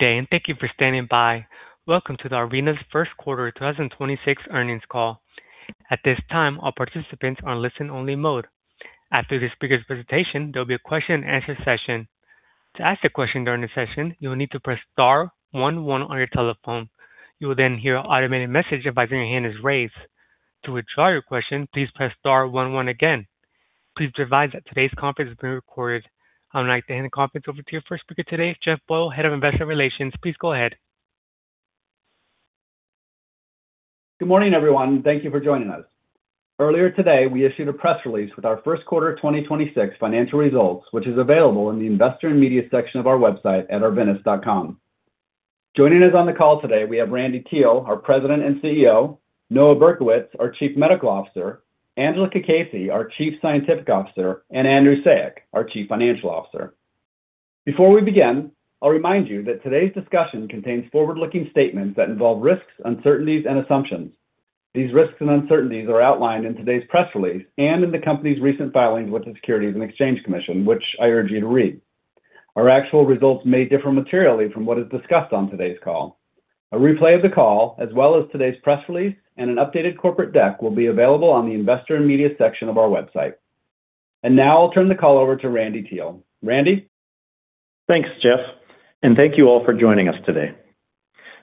Day and thank you for standing by. Welcome to the Arvinas' First Quarter 2026 earnings call. At this time, all participants are in listen-only mode. After the speakers' presentation, there'll be a question-and-answer session. To ask a question during the session, you will need to press star one one on your telephone. You will then hear an automated message advising your hand is raised. To withdraw your question, please press star one one again. Please be advised that today's conference is being recorded. I would like to hand the conference over to your first speaker today, Jeff Boyle, Head of Investor Relations. Please go ahead. Good morning, everyone, and thank you for joining us. Earlier today, we issued a press release with our first quarter of 2026 financial results, which is available in the investor and media section of our website at arvinas.com. Joining us on the call today, we have Randy Teel, our President and CEO, Noah Berkowitz, our Chief Medical Officer, Angela Cacace, our Chief Scientific Officer, and Andrew Saik, our Chief Financial Officer. Before we begin, I'll remind you that today's discussion contains forward-looking statements that involve risks, uncertainties and assumptions. These risks and uncertainties are outlined in today's press release and in the company's recent filings with the Securities and Exchange Commission, which I urge you to read. Our actual results may differ materially from what is discussed on today's call. A replay of the call, as well as today's press release and an updated corporate deck will be available on the investor and media section of our website. Now I'll turn the call over to Randy Teel. Randy? Thanks, Jeff, and thank you all for joining us today.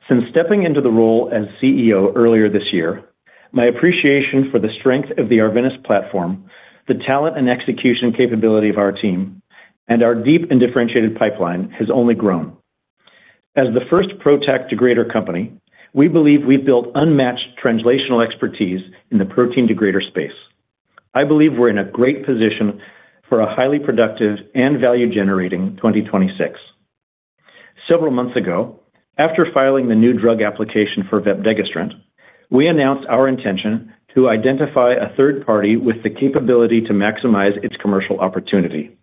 Since stepping into the role as CEO earlier this year, my appreciation for the strength of the Arvinas platform, the talent and execution capability of our team, and our deep and differentiated pipeline has only grown. As the first PROTAC degrader company, we believe we've built unmatched translational expertise in the protein degrader space. I believe we're in a great position for a highly productive and value-generating 2026. Several months ago, after filing the new drug application for vepdegestrant, we announced our intention to identify a third party with the capability to maximize its commercial opportunity.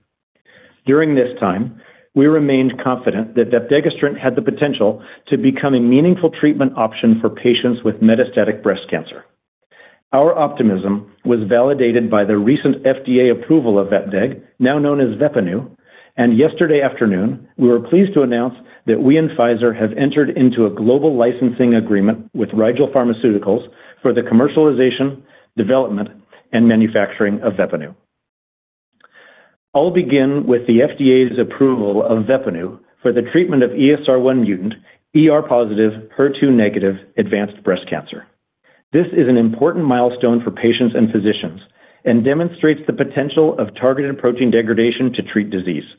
During this time, we remained confident that vepdegestrant had the potential to become a meaningful treatment option for patients with metastatic breast cancer. Our optimism was validated by the recent FDA approval of Vepdeg, now known as VEPPANU, and yesterday afternoon, we were pleased to announce that we and Pfizer have entered into a global licensing agreement with Rigel Pharmaceuticals for the commercialization, development, and manufacturing of VEPPANU. I'll begin with the FDA's approval of VEPPANU for the treatment of ESR1 mutant, ER positive, HER2 negative advanced breast cancer. This is an important milestone for patients and physicians and demonstrates the potential of targeted protein degradation to treat disease.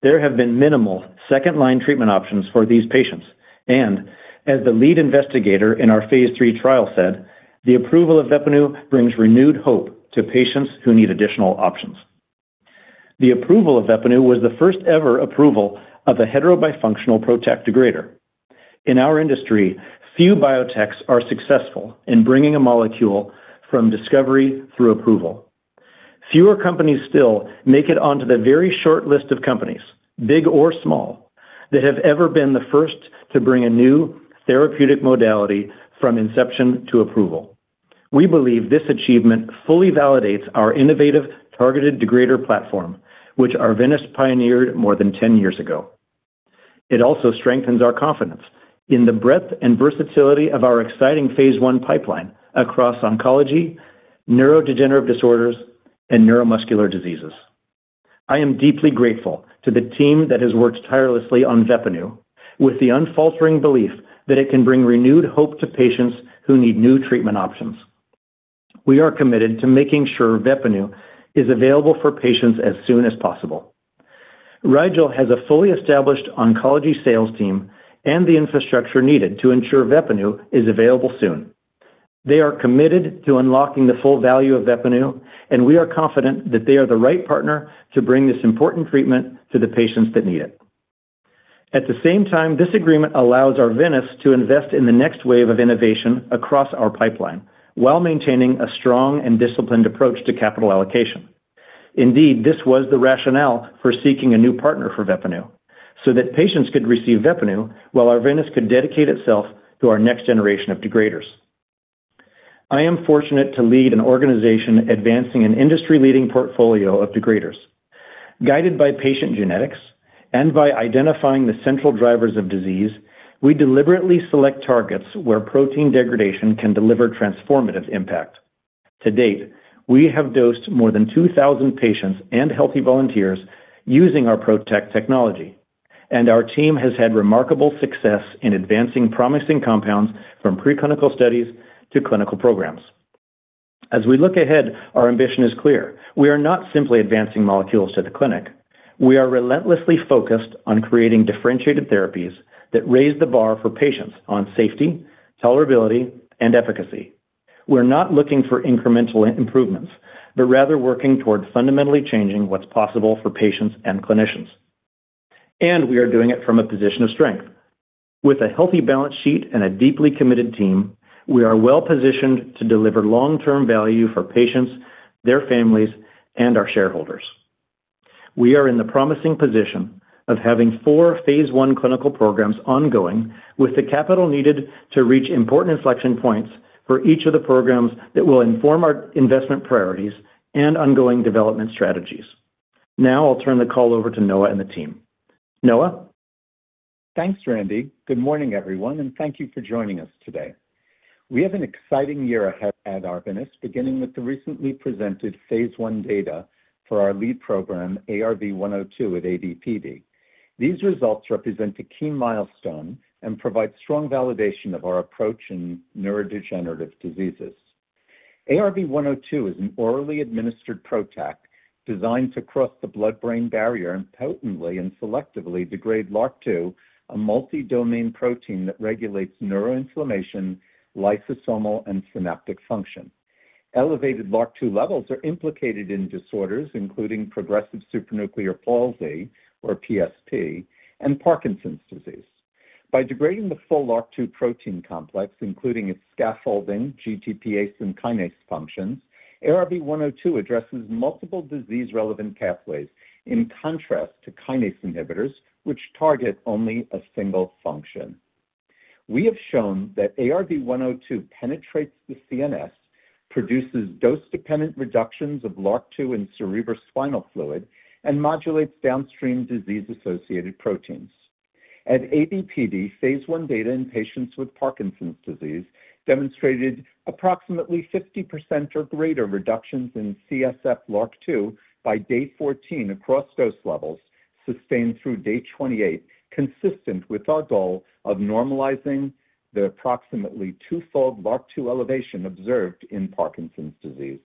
There have been minimal second line treatment options for these patients, and as the lead investigator in our phase III trial said, "The approval of VEPPANU brings renewed hope to patients who need additional options." The approval of VEPPANU was the first ever approval of the heterobifunctional PROTAC degrader. In our industry, few biotechs are successful in bringing a molecule from discovery through approval. Fewer companies still make it onto the very short list of companies, big or small, that have ever been the first to bring a new therapeutic modality from inception to approval. We believe this achievement fully validates our innovative targeted degrader platform, which Arvinas pioneered more than ten years ago. It also strengthens our confidence in the breadth and versatility of our exciting phase I pipeline across oncology, neurodegenerative disorders, and neuromuscular diseases. I am deeply grateful to the team that has worked tirelessly on VEPPANU with the unfaltering belief that it can bring renewed hope to patients who need new treatment options. We are committed to making sure VEPPANU is available for patients as soon as possible. Rigel has a fully established oncology sales team and the infrastructure needed to ensure VEPPANU is available soon. They are committed to unlocking the full value of VEPPANU, and we are confident that they are the right partner to bring this important treatment to the patients that need it. At the same time, this agreement allows Arvinas to invest in the next wave of innovation across our pipeline while maintaining a strong and disciplined approach to capital allocation. Indeed, this was the rationale for seeking a new partner for VEPPANU, so that patients could receive VEPPANU while Arvinas could dedicate itself to our next generation of degraders. I am fortunate to lead an organization advancing an industry-leading portfolio of degraders. Guided by patient genetics and by identifying the central drivers of disease, we deliberately select targets where protein degradation can deliver transformative impact. To date, we have dosed more than 2,000 patients and healthy volunteers using our PROTAC technology, and our team has had remarkable success in advancing promising compounds from preclinical studies to clinical programs. As we look ahead, our ambition is clear. We are not simply advancing molecules to the clinic. We are relentlessly focused on creating differentiated therapies that raise the bar for patients on safety, tolerability, and efficacy. We're not looking for incremental improvements, but rather working towards fundamentally changing what's possible for patients and clinicians. We are doing it from a position of strength. With a healthy balance sheet and a deeply committed team, we are well-positioned to deliver long-term value for patients, their families, and our shareholders. We are in the promising position of having four phase I clinical programs ongoing with the capital needed to reach important inflection points for each of the programs that will inform our investment priorities and ongoing development strategies. Now I'll turn the call over to Noah and the team. Noah? Thanks, Randy Teel. Good morning, everyone, and thank you for joining us today. We have an exciting year ahead at Arvinas, beginning with the recently presented phase I data for our lead program, ARV-102 with AD/PD. These results represent a key milestone and provide strong validation of our approach in neurodegenerative diseases. ARV-102 is an orally administered PROTAC designed to cross the blood-brain barrier and potently and selectively degrade LRRK2, a multi-domain protein that regulates neuroinflammation, lysosomal, and synaptic function. Elevated LRRK2 levels are implicated in disorders including progressive supranuclear palsy, or PSP, and Parkinson's disease. By degrading the full LRRK2 protein complex, including its scaffolding, GTPase, and kinase functions, ARV-102 addresses multiple disease-relevant pathways, in contrast to kinase inhibitors, which target only a single function. We have shown that ARV-102 penetrates the CNS, produces dose-dependent reductions of LRRK2 and cerebrospinal fluid, and modulates downstream disease-associated proteins. At AD/PD, phase I data in patients with Parkinson's disease demonstrated approximately 50% or greater reductions in CSF LRRK2 by day 14 across dose levels, sustained through day 28, consistent with our goal of normalizing the approximately 2-fold LRRK2 elevation observed in Parkinson's disease.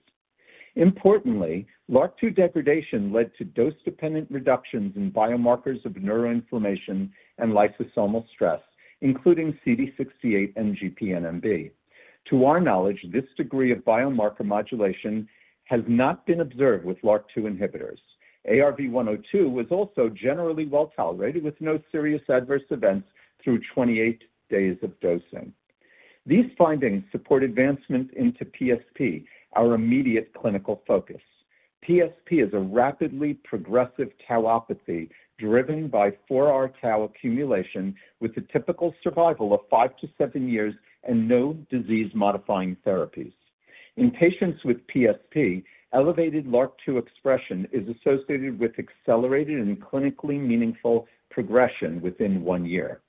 Importantly, LRRK2 degradation led to dose-dependent reductions in biomarkers of neuroinflammation and lysosomal stress, including CD68 and GPNMB. To our knowledge, this degree of biomarker modulation has not been observed with LRRK2 inhibitors. ARV-102 was also generally well-tolerated, with no serious adverse events through 28 days of dosing. These findings support advancement into PSP, our immediate clinical focus. PSP is a rapidly progressive tauopathy driven by 4R tau accumulation with a typical survival of five to seven years and no disease-modifying therapies. In patients with PSP, elevated LRRK2 expression is associated with accelerated and clinically meaningful progression within one year.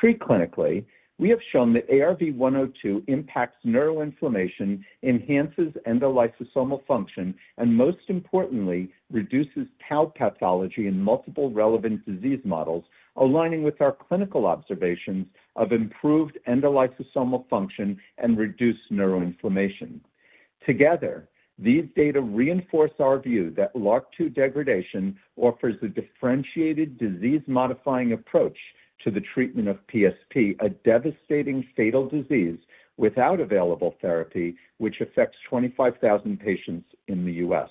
Preclinically, we have shown that ARV-102 impacts neuroinflammation, enhances endolysosomal function, and most importantly, reduces tau pathology in multiple relevant disease models, aligning with our clinical observations of improved endolysosomal function and reduced neuroinflammation. Together, these data reinforce our view that LRRK2 degradation offers a differentiated disease-modifying approach to the treatment of PSP, a devastating fatal disease without available therapy, which affects 25,000 patients in the U.S.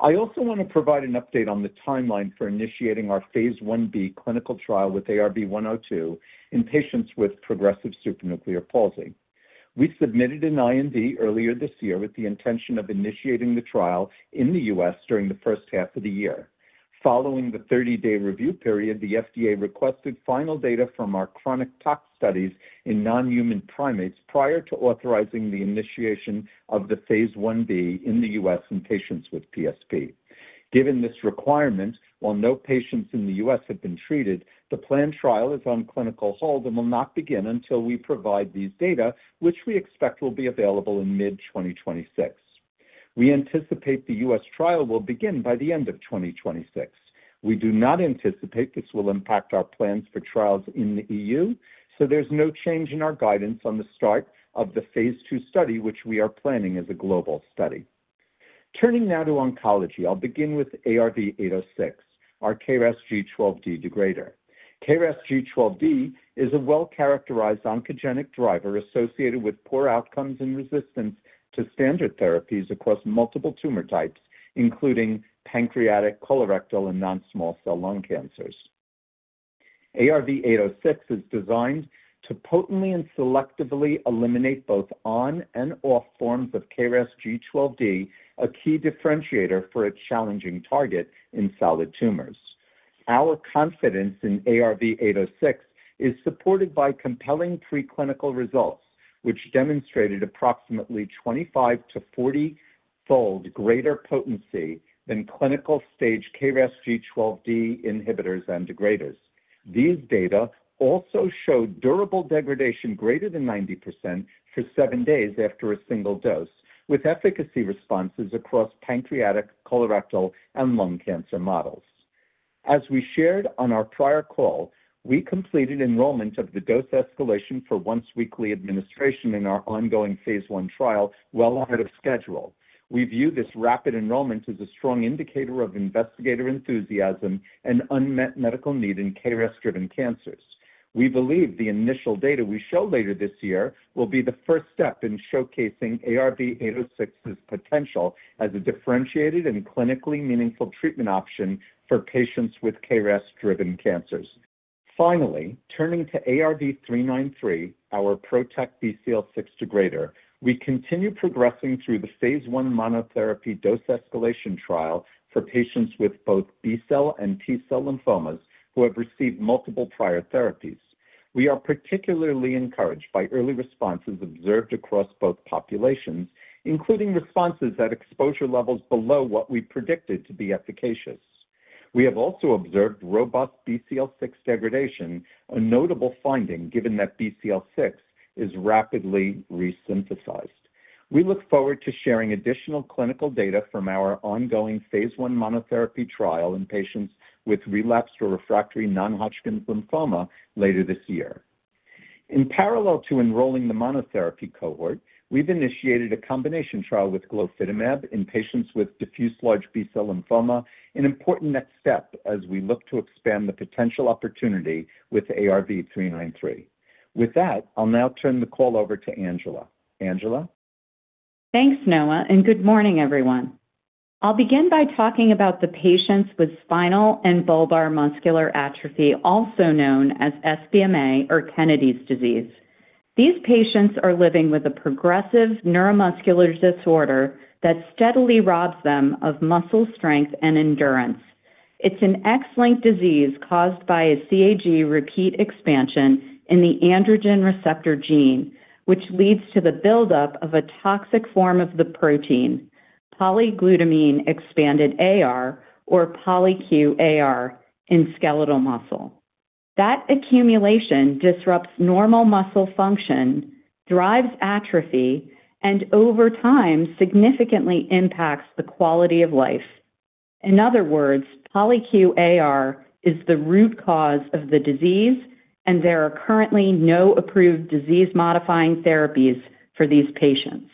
I also want to provide an update on the timeline for initiating our phase I-B clinical trial with ARV-102 in patients with progressive supranuclear palsy. We submitted an IND earlier this year with the intention of initiating the trial in the U.S. during the first half of the year. Following the 30-day review period, the FDA requested final data from our chronic tox studies in non-human primates prior to authorizing the initiation of the phase I-B in the U.S. in patients with PSP. Given this requirement, while no patients in the U.S. have been treated, the planned trial is on clinical hold and will not begin until we provide these data, which we expect will be available in mid-2026. We anticipate the U.S. trial will begin by the end of 2026. We do not anticipate this will impact our plans for trials in the E.U. There's no change in our guidance on the start of the phase II study, which we are planning as a global study. Turning now to oncology, I'll begin with ARV-806, our KRAS G12D degrader. KRAS G12D is a well-characterized oncogenic driver associated with poor outcomes and resistance to standard therapies across multiple tumor types, including pancreatic, colorectal, and non-small cell lung cancer. ARV-806 is designed to potently and selectively eliminate both on and off forms of KRAS G12D, a key differentiator for a challenging target in solid tumors. Our confidence in ARV-806 is supported by compelling preclinical results, which demonstrated approximately 25-40-fold greater potency than clinical stage KRAS G12D inhibitors and degraders. These data also show durable degradation greater than 90% for seven days after a single dose, with efficacy responses across pancreatic, colorectal, and lung cancer models. As we shared on our prior call, we completed enrollment of the dose escalation for once-weekly administration in our ongoing phase I trial well ahead of schedule. We view this rapid enrollment as a strong indicator of investigator enthusiasm and unmet medical need in KRAS-driven cancers. We believe the initial data we show later this year will be the first step in showcasing ARV-806's potential as a differentiated and clinically meaningful treatment option for patients with KRAS-driven cancers. Turning to ARV-393, our PROTAC BCL6 degrader, we continue progressing through the phase I monotherapy dose escalation trial for patients with both B-cell and T-cell lymphomas who have received multiple prior therapies. We are particularly encouraged by early responses observed across both populations, including responses at exposure levels below what we predicted to be efficacious. We have also observed robust BCL6 degradation, a notable finding given that BCL6 is rapidly resynthesized. We look forward to sharing additional clinical data from our ongoing phase I monotherapy trial in patients with relapsed or refractory non-Hodgkin's lymphoma later this year. In parallel to enrolling the monotherapy cohort, we've initiated a combination trial with glofitamab in patients with diffuse large B-cell lymphoma, an important next step as we look to expand the potential opportunity with ARV-393. With that, I'll now turn the call over to Angela. Angela? Thanks, Noah. Good morning, everyone. I'll begin by talking about the patients with Spinal and Bulbar Muscular Atrophy, also known as SBMA or Kennedy's disease. These patients are living with a progressive neuromuscular disorder that steadily robs them of muscle strength and endurance. It's an X-linked disease caused by a CAG repeat expansion in the androgen receptor gene, which leads to the buildup of a toxic form of the protein, polyglutamine-expanded AR or polyQ AR in skeletal muscle. That accumulation disrupts normal muscle function, drives atrophy, and over time significantly impacts the quality of life. In other words, polyQ AR is the root cause of the disease. There are currently no approved disease-modifying therapies for these patients.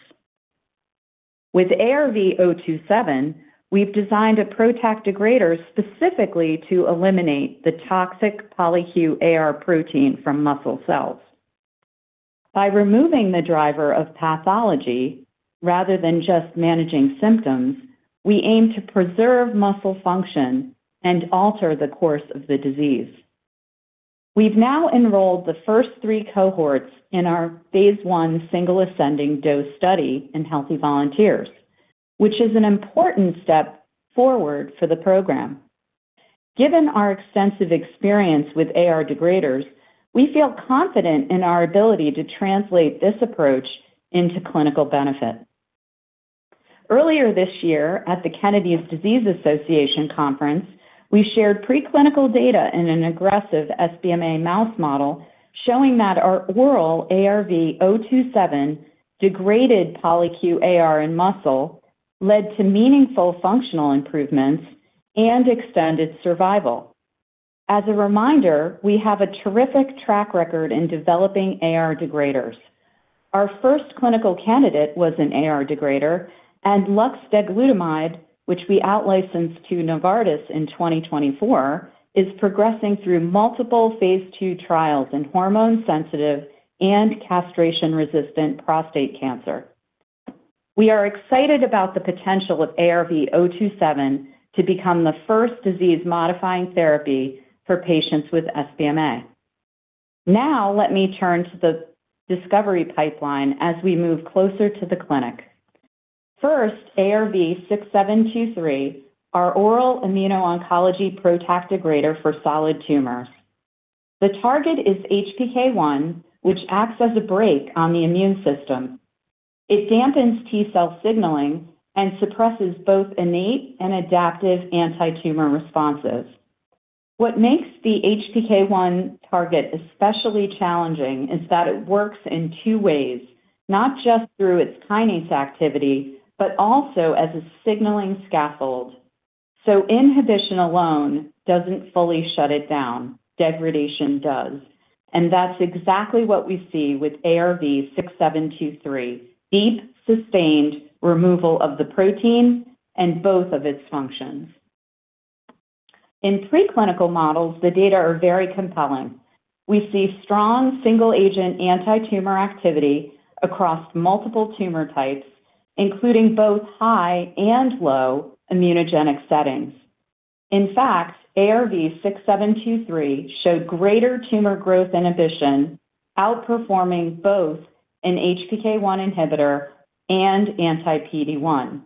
With ARV-027, we've designed a PROTAC degrader specifically to eliminate the toxic polyQ AR protein from muscle cells. By removing the driver of pathology rather than just managing symptoms, we aim to preserve muscle function and alter the course of the disease. We've now enrolled the first three cohorts in our phase I single ascending dose study in healthy volunteers, which is an important step forward for the program. Given our extensive experience with AR degraders, we feel confident in our ability to translate this approach into clinical benefit. Earlier this year at the Kennedy's Disease Association Conference, we shared preclinical data in an aggressive SBMA mouse model showing that our oral ARV-027 degraded polyQ AR in muscle led to meaningful functional improvements and extended survival. As a reminder, we have a terrific track record in developing AR degraders. Our first clinical candidate was an AR degrader, and luxdegalutamide, which we outlicensed to Novartis in 2024, is progressing through multiple phase II trials in hormone-sensitive and castration-resistant prostate cancer. We are excited about the potential of ARV-027 to become the first disease-modifying therapy for patients with SBMA. Now let me turn to the discovery pipeline as we move closer to the clinic. First, ARV-6723, our oral immuno-oncology protac degrader for solid tumors. The target is HPK1, which acts as a brake on the immune system. It dampens T-cell signaling and suppresses both innate and adaptive antitumor responses. What makes the HPK1 target especially challenging is that it works in two ways, not just through its kinase activity, but also as a signaling scaffold. Inhibition alone doesn't fully shut it down. Degradation does. That's exactly what we see with ARV-6723, deep sustained removal of the protein and both of its functions. In preclinical models, the data are very compelling. We see strong single-agent antitumor activity across multiple tumor types, including both high and low immunogenic settings. In fact, ARV-6723 showed greater tumor growth inhibition, outperforming both an HPK1 inhibitor and anti-PD-1.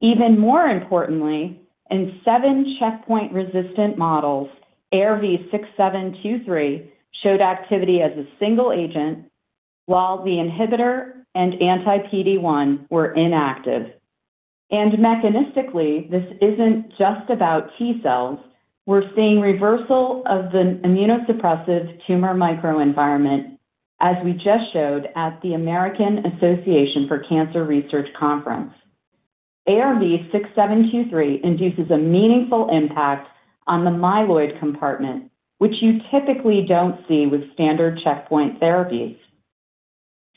Even more importantly, in seven checkpoint-resistant models, ARV-6723 showed activity as a single agent, while the inhibitor and anti-PD-1 were inactive. Mechanistically, this isn't just about T cells. We're seeing reversal of the immunosuppressive tumor microenvironment, as we just showed at the American Association for Cancer Research conference. ARV-6723 induces a meaningful impact on the myeloid compartment, which you typically don't see with standard checkpoint therapies.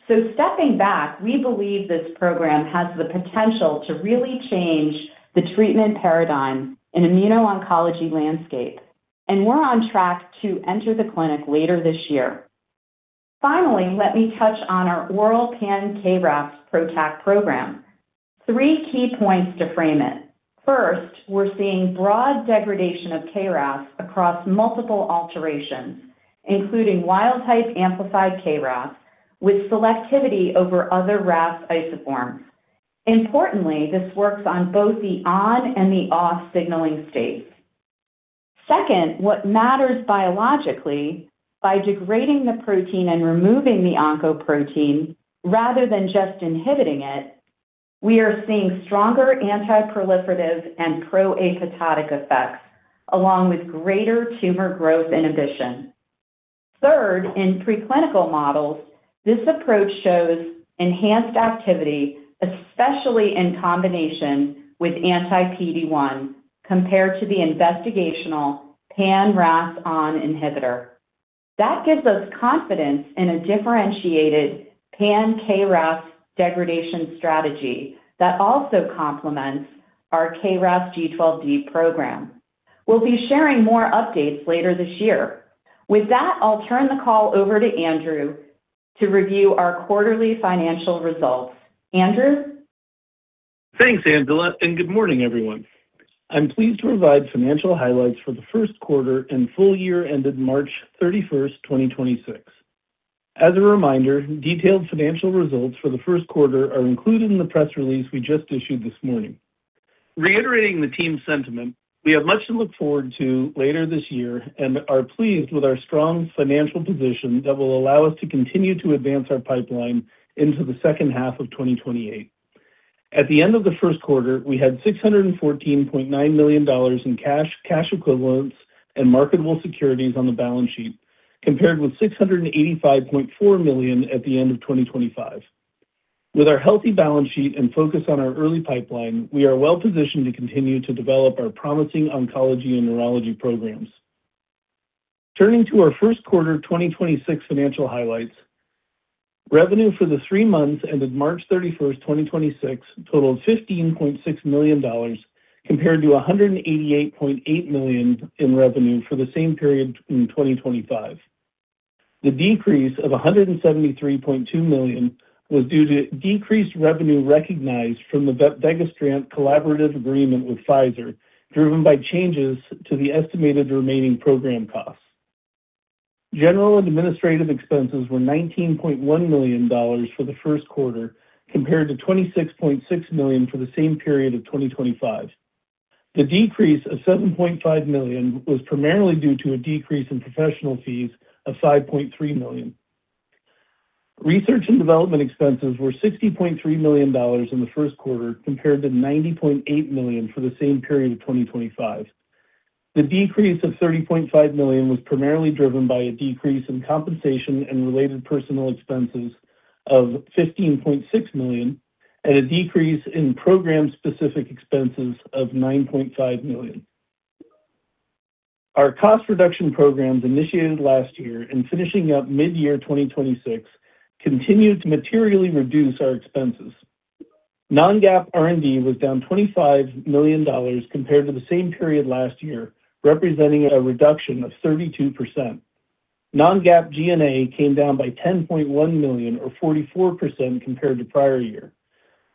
Stepping back, we believe this program has the potential to really change the treatment paradigm in immuno-oncology landscape, and we're on track to enter the clinic later this year. Finally, let me touch on our oral pan-KRAS PROTAC program. Three key points to frame it. First, we're seeing broad degradation of KRAS across multiple alterations, including wild-type amplified KRAS with selectivity over other RAS isoforms. Importantly, this works on both the on and the off signaling states. Second, what matters biologically by degrading the protein and removing the oncoprotein rather than just inhibiting it, we are seeing stronger anti-proliferative and pro-apoptotic effects, along with greater tumor growth inhibition. Third, in preclinical models, this approach shows enhanced activity, especially in combination with anti-PD-1, compared to the investigational pan-RAS on inhibitor. That gives us confidence in a differentiated pan-KRAS degradation strategy that also complements our KRAS G12D program. We'll be sharing more updates later this year. With that, I'll turn the call over to Andrew to review our quarterly financial results. Andrew? Thanks, Angela, and good morning, everyone. I'm pleased to provide financial highlights for the first quarter and full year ended March 31, 2026. As a reminder, detailed financial results for the first quarter are included in the press release we just issued this morning. Reiterating the team's sentiment, we have much to look forward to later this year and are pleased with our strong financial position that will allow us to continue to advance our pipeline into the second half of 2028. At the end of the first quarter, we had $614.9 million in cash equivalents, and marketable securities on the balance sheet, compared with $685.4 million at the end of 2025. With our healthy balance sheet and focus on our early pipeline, we are well-positioned to continue to develop our promising oncology and neurology programs. Turning to our first quarter 2026 financial highlights, revenue for the three months ended March 31, 2026 totaled $15.6 million, compared to $188.8 million in revenue for the same period in 2025. The decrease of $173.2 million was due to decreased revenue recognized from the vepdegestrant collaborative agreement with Pfizer, driven by changes to the estimated remaining program costs. General administrative expenses were $19.1 million for the first quarter, compared to $26.6 million for the same period of 2025. The decrease of $7.5 million was primarily due to a decrease in professional fees of $5.3 million. Research and development expenses were $60.3 million in the first quarter, compared to $90.8 million for the same period of 2025. The decrease of $30.5 million was primarily driven by a decrease in compensation and related personal expenses of $15.6 million and a decrease in program-specific expenses of $9.5 million. Our cost reduction programs initiated last year and finishing up midyear 2026 continued to materially reduce our expenses. Non-GAAP R&D was down $25 million compared to the same period last year, representing a reduction of 32%. Non-GAAP G&A came down by $10.1 million or 44% compared to prior year.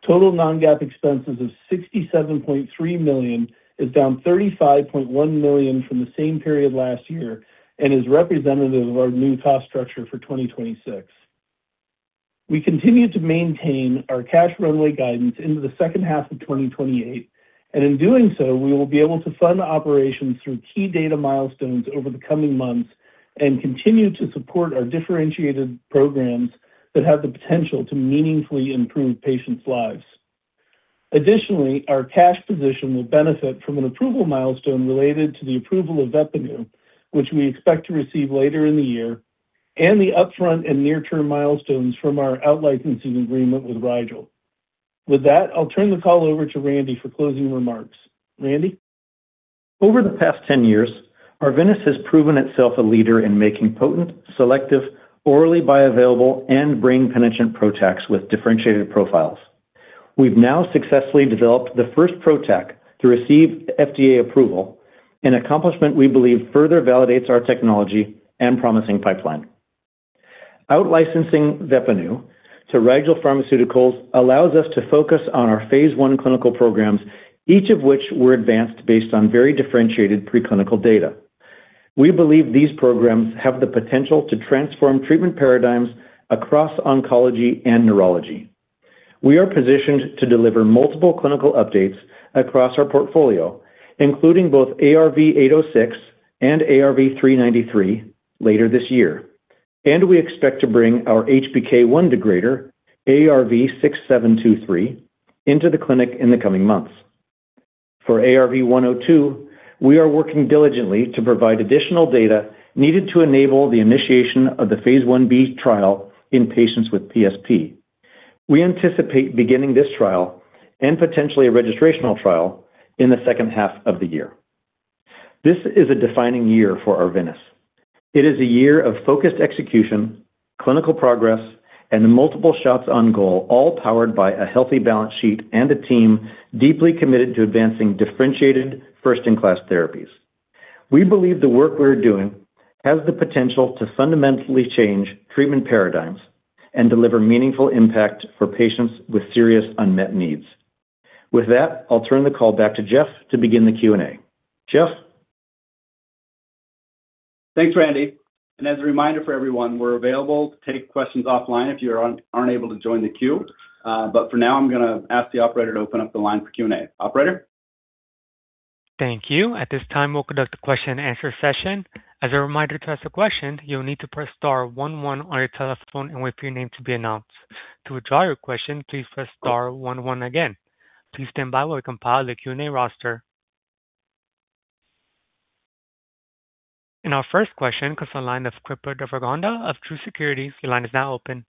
Total non-GAAP expenses of $67.3 million is down $35.1 million from the same period last year and is representative of our new cost structure for 2026. We continue to maintain our cash runway guidance into the second half of 2028, and in doing so, we will be able to fund operations through key data milestones over the coming months and continue to support our differentiated programs that have the potential to meaningfully improve patients' lives. Additionally, our cash position will benefit from an approval milestone related to the approval of VEPPANU, which we expect to receive later in the year, and the upfront and near-term milestones from our out-licensing agreement with Rigel. With that, I'll turn the call over to Randy for closing remarks. Randy? Over the past 10 years, Arvinas has proven itself a leader in making potent, selective, orally bioavailable, and brain-penetrant PROTACs with differentiated profiles. We've now successfully developed the first PROTAC to receive FDA approval, an accomplishment we believe further validates our technology and promising pipeline. Out-licensing VEPPANU to Rigel Pharmaceuticals allows us to focus on our phase I clinical programs, each of which were advanced based on very differentiated preclinical data. We believe these programs have the potential to transform treatment paradigms across oncology and neurology. We are positioned to deliver multiple clinical updates across our portfolio, including both ARV-806 and ARV-393 later this year. We expect to bring our HPK1 degrader, ARV-6723, into the clinic in the coming months. For ARV-102, we are working diligently to provide additional data needed to enable the initiation of the phase Ib trial in patients with PSP. We anticipate beginning this trial and potentially a registrational trial in the second half of the year. This is a defining year for Arvinas. It is a year of focused execution, clinical progress, and multiple shots on goal, all powered by a healthy balance sheet and a team deeply committed to advancing differentiated first-in-class therapies. We believe the work we're doing has the potential to fundamentally change treatment paradigms and deliver meaningful impact for patients with serious unmet needs. With that, I'll turn the call back to Jeff to begin the Q&A. Jeff? Thanks, Randy. As a reminder for everyone, we're available to take questions offline if you aren't able to join the queue. For now, I'm gonna ask the operator to open up the line for Q&A. Operator? Thank you. At this time, we'll conduct a question-and-answer session. As a reminder to ask a question, you'll need to press star one one on your telephone and wait for your name to be announced. To withdraw your question, please press star one one again. Please stand by while we compile the Q&A roster. Our first question comes from the line of Kripa Devarakonda from Truist Securities. Your line is now open.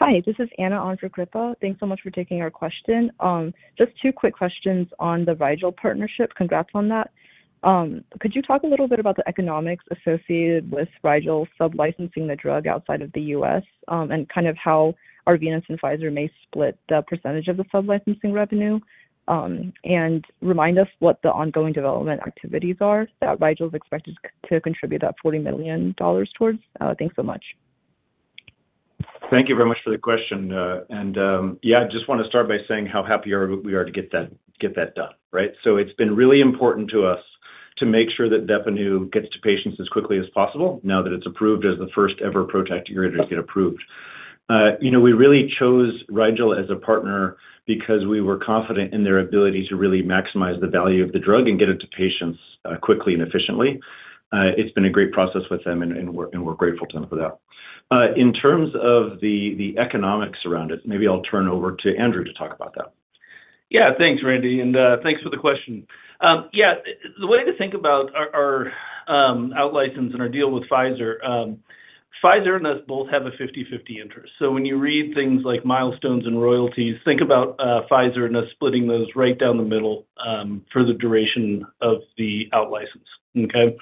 Hi, this is Anna on for Kripa. Thanks so much for taking our question. Just two quick questions on the Rigel partnership. Congrats on that. Could you talk a little bit about the economics associated with Rigel sublicensing the drug outside of the U.S., and kind of how Arvinas and Pfizer may split the percentage of the sublicensing revenue? Remind us what the ongoing development activities are that Rigel is expected to contribute that $40 million towards. Thanks so much. Thank you very much for the question. I just wanna start by saying how happy we are to get that, get that done, right? It's been really important to us to make sure that VEPPANU gets to patients as quickly as possible now that it's approved as the first ever PROTAC degrader to get approved. You know, we really chose Rigel as a partner because we were confident in their ability to really maximize the value of the drug and get it to patients, quickly and efficiently. It's been a great process with them, and we're grateful to them for that. In terms of the economics around it, maybe I'll turn over to Andrew to talk about that. Yeah. Thanks, Randy, and thanks for the question. The way to think about our outlicense and our deal with Pfizer and us both have a 50/50 interest. When you read things like milestones and royalties, think about Pfizer and us splitting those right down the middle, for the duration of the outlicense. Okay?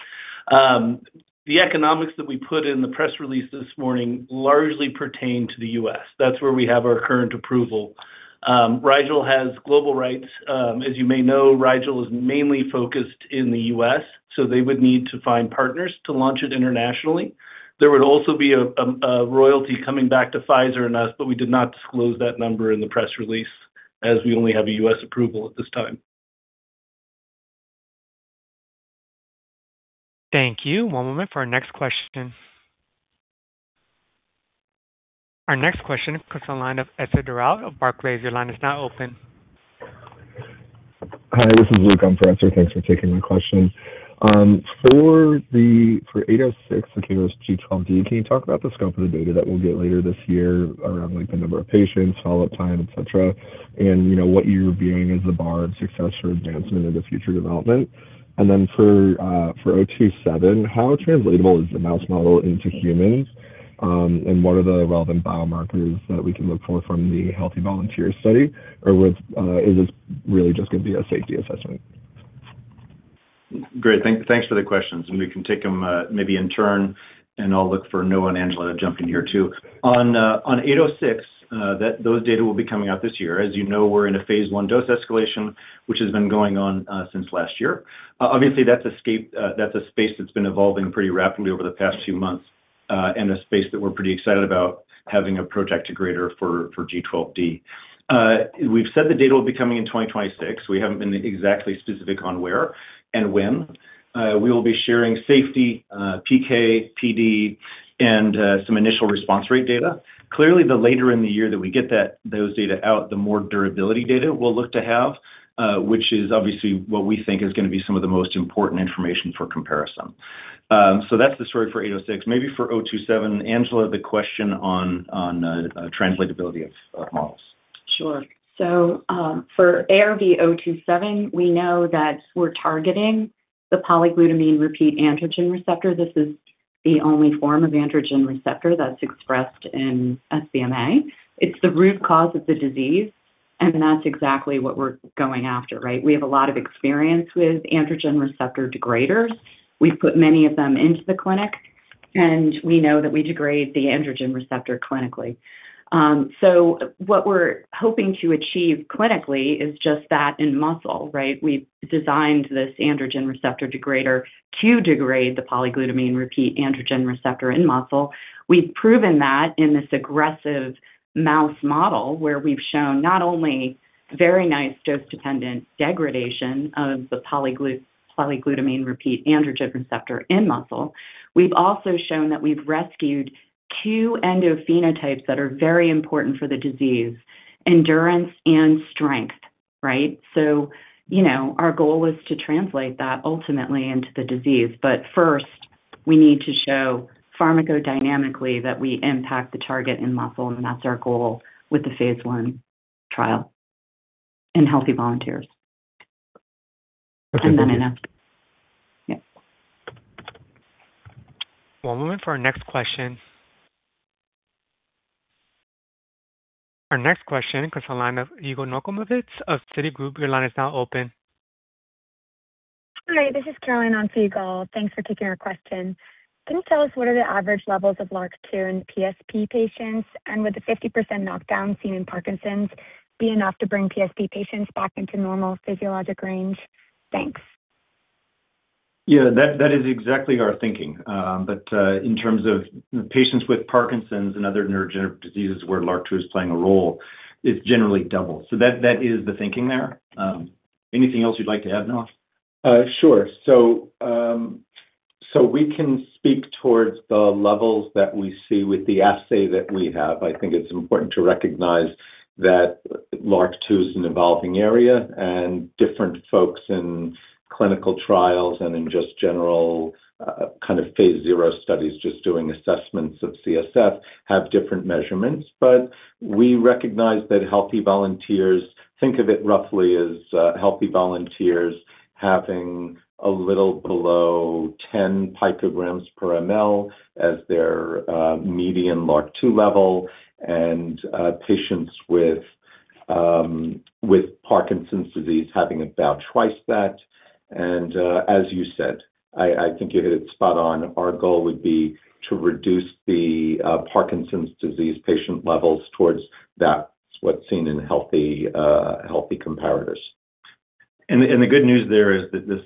The economics that we put in the press release this morning largely pertain to the U.S. That's where we have our current approval. Rigel has global rights. As you may know, Rigel is mainly focused in the U.S., so they would need to find partners to launch it internationally. There would also be a royalty coming back to Pfizer and us, but we did not disclose that number in the press release as we only have a U.S. approval at this time. Thank you. One moment for our next question. Our next question comes on line of Etzer Darout of Barclays. Your line is now open. Hi. This is Luke on for Etzer. Thanks for taking my question. For the G12D, can you talk about the scope of the data that we'll get later this year around, like, the number of patients, follow-up time, et cetera, and, you know, what you're viewing as the bar of success for advancement into future development? For 027, how translatable is the mouse model into humans, and what are the relevant biomarkers that we can look for from the healthy volunteer study? would is this really just gonna be a safety assessment? Great. Thanks for the questions, and we can take them maybe in turn, and I'll look for Noah and Angela to jump in here too. On 806, those data will be coming out this year. As you know, we're in a phase I dose escalation, which has been going on since last year. Obviously, that's a space that's been evolving pretty rapidly over the past few months, and a space that we're pretty excited about having a PROTAC degrader for G12D. We've said the data will be coming in 2026. We haven't been exactly specific on where and when. We will be sharing safety, PK, PD, and some initial response rate data. Clearly, the later in the year that we get those data out, the more durability data we'll look to have, which is obviously what we think is gonna be some of the most important information for comparison. That's the story for 806. Maybe for 027, Angela, the question on translatability of models. Sure. For ARV-027, we know that we're targeting the polyglutamine repeat androgen receptor. This is the only form of androgen receptor that's expressed in SBMA. It's the root cause of the disease, and that's exactly what we're going after, right? We have a lot of experience with androgen receptor degraders. We've put many of them into the clinic, and we know that we degrade the androgen receptor clinically. What we're hoping to achieve clinically is just that in muscle, right? We've designed this androgen receptor degrader to degrade the polyglutamine repeat androgen receptor in muscle. We've proven that in this aggressive mouse model where we've shown not only very nice dose-dependent degradation of the polyglutamine repeat androgen receptor in muscle, we've also shown that we've rescued two endophenotypes that are very important for the disease, endurance and strength, right? you know, our goal was to translate that ultimately into the disease. first, we need to show pharmacodynamically that we impact the target in muscle, and that's our goal with the phase I trial in healthy volunteers. then in us. Yeah. One moment for our next question. Our next question comes to line of Yigal Nochomovitz of Citigroup. Your line is now open. Hi. This is Caroline on for Yigal. Thanks for taking our question. Can you tell us what are the average levels of LRRK2 in PSP patients, and would the 50% knockdown seen in Parkinson's be enough to bring PSP patients back into normal physiologic range? Thanks. Yeah. That is exactly our thinking. In terms of patients with Parkinson's and other neurodegenerative diseases where LRRK2 is playing a role, it's generally double. That is the thinking there. Anything else you'd like to add, Noah? Sure. We can speak towards the levels that we see with the assay that we have. I think it's important to recognize that LRRK2 is an evolving area, and different folks in clinical trials and in just general kind of phase 0 studies just doing assessments of CSF have different measurements. We recognize that healthy volunteers think of it roughly as healthy volunteers having a little below 10 picograms per mL as their median LRRK2 level and patients with Parkinson's disease having about twice that. As you said, I think you hit it spot on. Our goal would be to reduce the Parkinson's disease patient levels towards that, what's seen in healthy comparators. The good news there is that this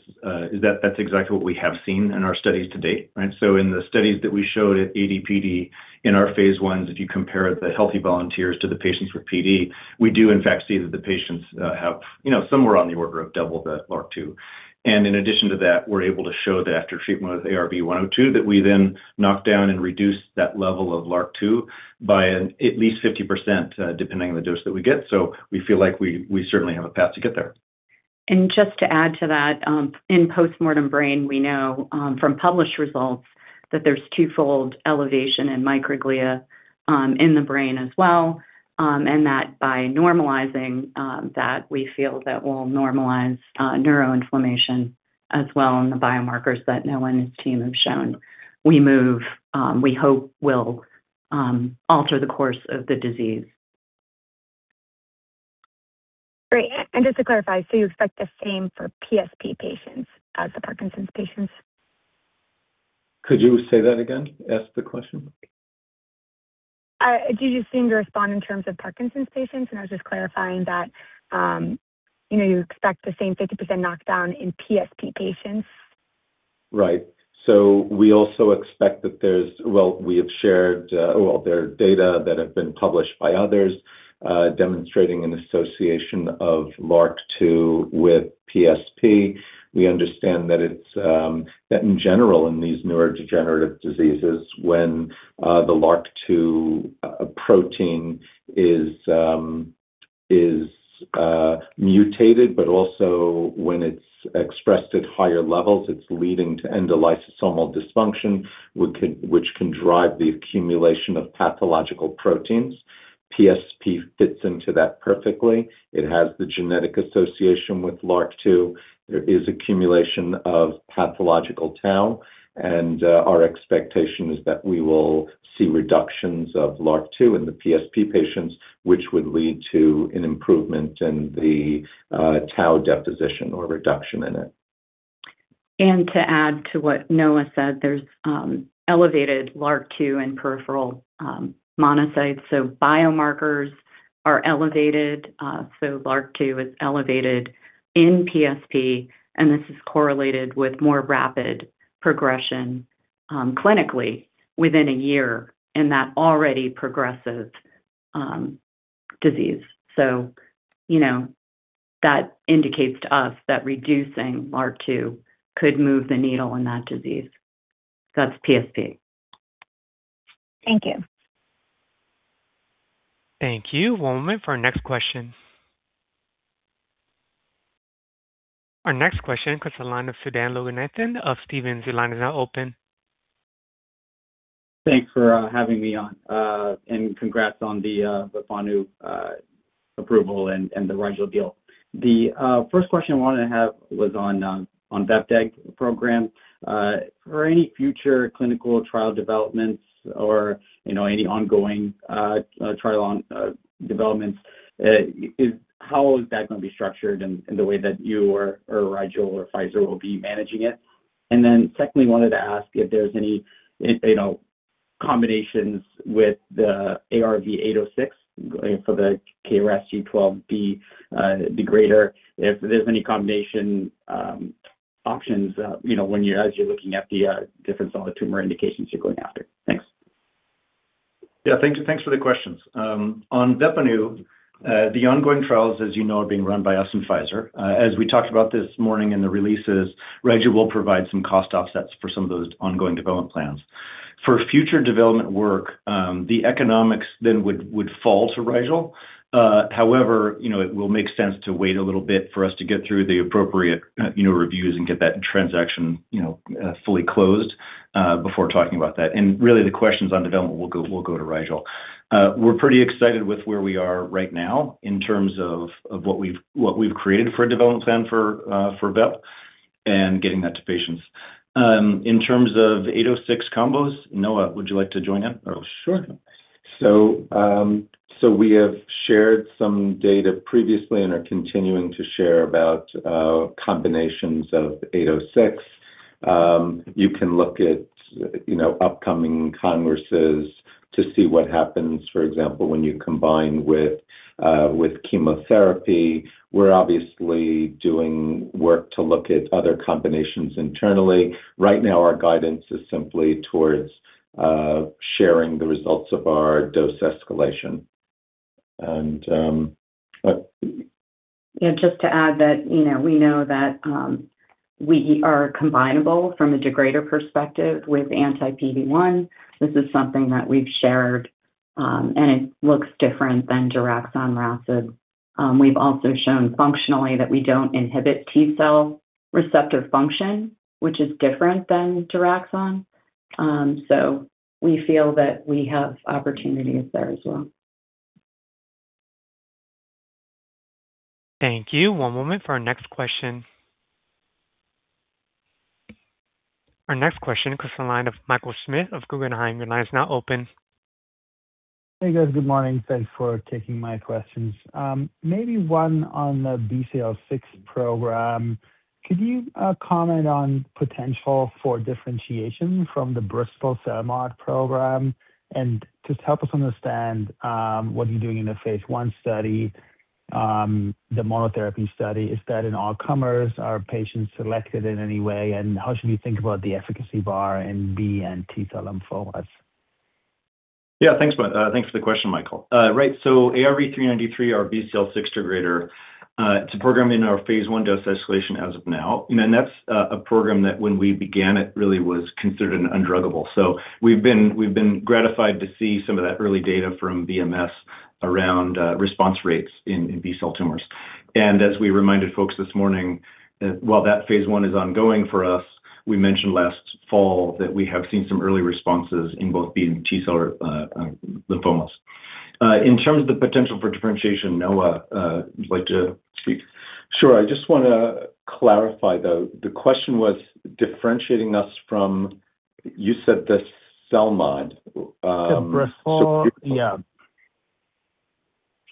is that that's exactly what we have seen in our studies to date, right? In the studies that we showed at ADPD, in our phase I, if you compare the healthy volunteers to the patients with PD, we do in fact see that the patients have, you know, somewhere on the order of double the LRRK2. In addition to that, we're able to show that after treatment with ARV-102, that we then knock down and reduce that level of LRRK2 by at least 50%, depending on the dose that we get. We feel like we certainly have a path to get there. just to add to that, in postmortem brain, we know, from published results that there's twofold elevation in microglia, in the brain as well, and that by normalizing, that we feel that we'll normalize, neuroinflammation as well in the biomarkers that Noah and his team have shown. We move, we hope will, alter the course of the disease. Great. Just to clarify, you expect the same for PSP patients as the Parkinson's patients? Could you say that again? Ask the question. You just seemed to respond in terms of Parkinson's patients, and I was just clarifying that, you know, you expect the same 50% knockdown in PSP patients. Right. We also expect that there's. Well, we have shared, well, there are data that have been published by others, demonstrating an association of LRRK2 with PSP. We understand that it's that in general, in these neurodegenerative diseases when the LRRK2 protein is mutated, but also when it's expressed at higher levels, it's leading to endolysosomal dysfunction, which can drive the accumulation of pathological proteins. PSP fits into that perfectly. It has the genetic association with LRRK2. There is accumulation of pathological tau, and our expectation is that we will see reductions of LRRK2 in the PSP patients, which would lead to an improvement in the tau deposition or reduction in it. To add to what Noah said, there's elevated LRRK2 in peripheral monocytes. Biomarkers are elevated, so LRRK2 is elevated in PSP, and this is correlated with more rapid progression, clinically within a year in that already progressive disease. You know, that indicates to us that reducing LRRK2 could move the needle in that disease. That's PSP. Thank you. Thank you. One moment for our next question. Our next question comes to the line of Sudan Loganathan of Stephens. Your line is now open. Thanks for having me on, and congrats on the VEPPANU approval and the Rigel deal. The first question I wanted to have was on the vepdegestrant program. For any future clinical trial developments or, you know, any ongoing trial developments, is how is that gonna be structured in the way that you or Rigel or Pfizer will be managing it? Then secondly, wanted to ask if there's any, you know, combinations with the ARV-806 for the KRAS G12D degrader, if there's any combination options, you know, as you're looking at the different solid tumor indications you're going after. Thanks. Yeah. Thank you. Thanks for the questions. On VEPPANU, the ongoing trials, as you know, are being run by us and Pfizer. As we talked about this morning in the releases, Rigel will provide some cost offsets for some of those ongoing development plans. For future development work, the economics then would fall to Rigel. However, you know, it will make sense to wait a little bit for us to get through the appropriate, you know, reviews and get that transaction, you know, fully closed, before talking about that. Really, the questions on development will go to Rigel. We're pretty excited with where we are right now in terms of what we've created for a development plan for Vep and getting that to patients. In terms of 806 combos, Noah, would you like to join in? Oh, sure. We have shared some data previously and are continuing to share about combinations of 806. You can look at, you know, upcoming congresses to see what happens, for example, when you combine with chemotherapy. We're obviously doing work to look at other combinations internally. Right now, our guidance is simply towards sharing the results of our dose escalation. Yeah, just to add that, you know, we know that, we are combinable from a degrader perspective with anti-PD-1. This is something that we've shared, and it looks different than divarasib. We've also shown functionally that we don't inhibit T-cell receptor function, which is different than divarasib. We feel that we have opportunities there as well. Thank you. One moment for our next question. Our next question comes from the line of Michael Schmidt of Guggenheim. Your line is now open. Hey, guys. Good morning. Thanks for taking my questions. Maybe one on the BCL6 program. Could you comment on potential for differentiation from the Bristol CELMoD program? Just help us understand what you're doing in the phase I study, the monotherapy study. Is that in all comers? Are patients selected in any way? How should we think about the efficacy bar in B and T-cell lymphomas? Yeah. Thanks for the question, Michael. Right. ARV-393, our BCL6 degrader, it's a program in our phase I dose escalation as of now. You know, and that's a program that when we began it really was considered an undruggable. We've been gratified to see some of that early data from BMS around response rates in B-cell tumors. As we reminded folks this morning, while that phase I is ongoing for us, we mentioned last fall that we have seen some early responses in both B and T-cell or lymphomas. In terms of the potential for differentiation, Noah, would you like to speak? Sure. I just wanna clarify, though. The question was differentiating us from You said the CELMoD. The Bristol, yeah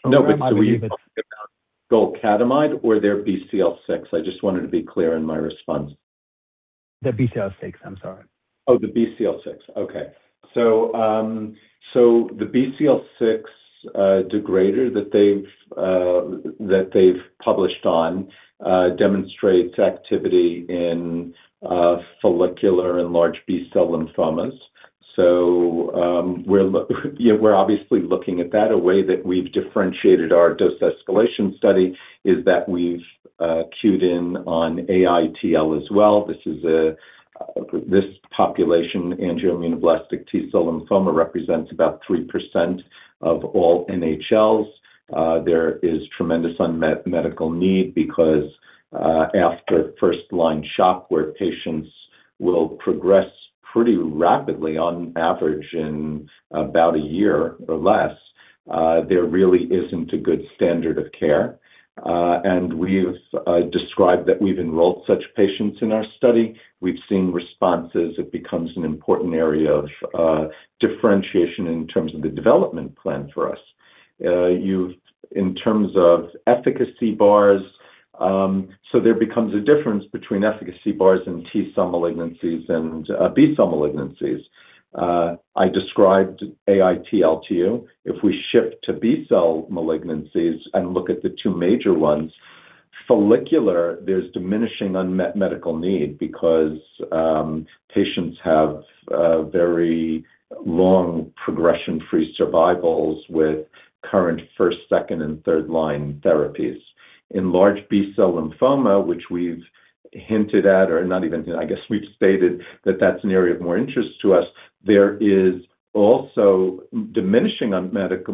No, were you talking about golcadomide or their BCL-6? I just wanted to be clear in my response. The BCL-6. I'm sorry. The BCL6. Okay. The BCL6 degrader that they've published on demonstrates activity in follicular and large B-cell lymphomas. You know, we're obviously looking at that. A way that we've differentiated our dose escalation study is that we've keyed in on AITL as well. This population, angioimmunoblastic T-cell lymphoma, represents about 3% of all NHLs. There is tremendous unmet medical need because after first-line SOC where patients will progress pretty rapidly on average in about a year or less, there really isn't a good standard of care. We've described that we've enrolled such patients in our study. We've seen responses. It becomes an important area of differentiation in terms of the development plan for us. In terms of efficacy bars, there becomes a difference between efficacy bars in T-cell malignancies and B-cell malignancies. I described AITL to you. If we shift to B-cell malignancies and look at the two major ones, follicular, there's diminishing unmet medical need because patients have very long progression-free survivals with current first, second and third line therapies. In large B-cell lymphoma, which we've hinted at or not even I guess we've stated that that's an area of more interest to us, there is also diminishing unmet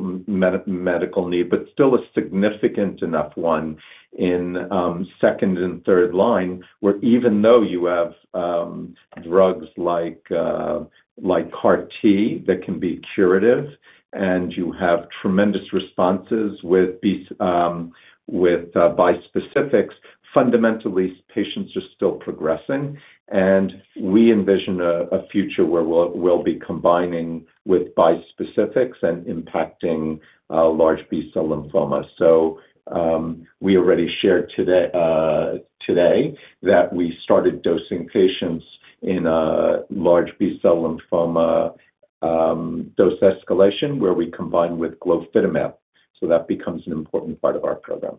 medical need, but still a significant enough one in second and third line, where even though you have drugs like CAR-T that can be curative and you have tremendous responses with bispecifics, fundamentally, patients are still progressing. We envision a future where we'll be combining with bispecifics and impacting large B-cell lymphomas. We already shared today that we started dosing patients in a large B-cell lymphoma dose escalation where we combine with glofitamab, so that becomes an important part of our program.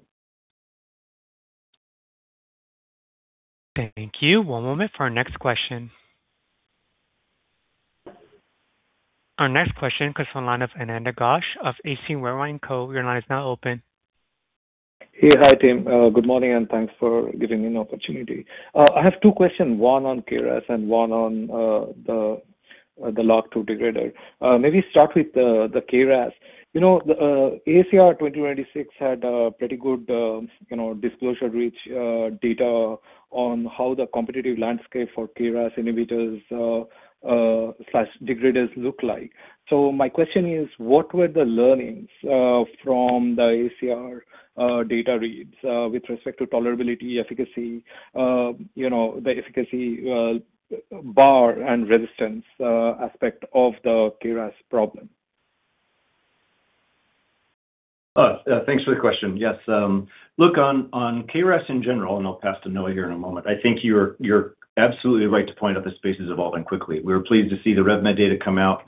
Thank you. One moment for our next question. Our next question comes from the line of Ananda Ghosh of H.C. Wainwright & Co. Your line is now open. Hey. Hi, team. Good morning, and thanks for giving me an opportunity. I have two questions, one on KRAS and one on the LRRK2 degrader. Maybe start with the KRAS. You know, the AACR 2026 had a pretty good, disclosure rich data on how the competitive landscape for KRAS inhibitors slash degraders look like. My question is, what were the learnings from the AACR data reads with respect to tolerability, efficacy, you know, the efficacy bar and resistance aspect of the KRAS problem? Thanks for the question. Yes, look, on KRAS in general, and I'll pass to Noah here in a moment, I think you're absolutely right to point out the space is evolving quickly. We were pleased to see the RevMed data come out,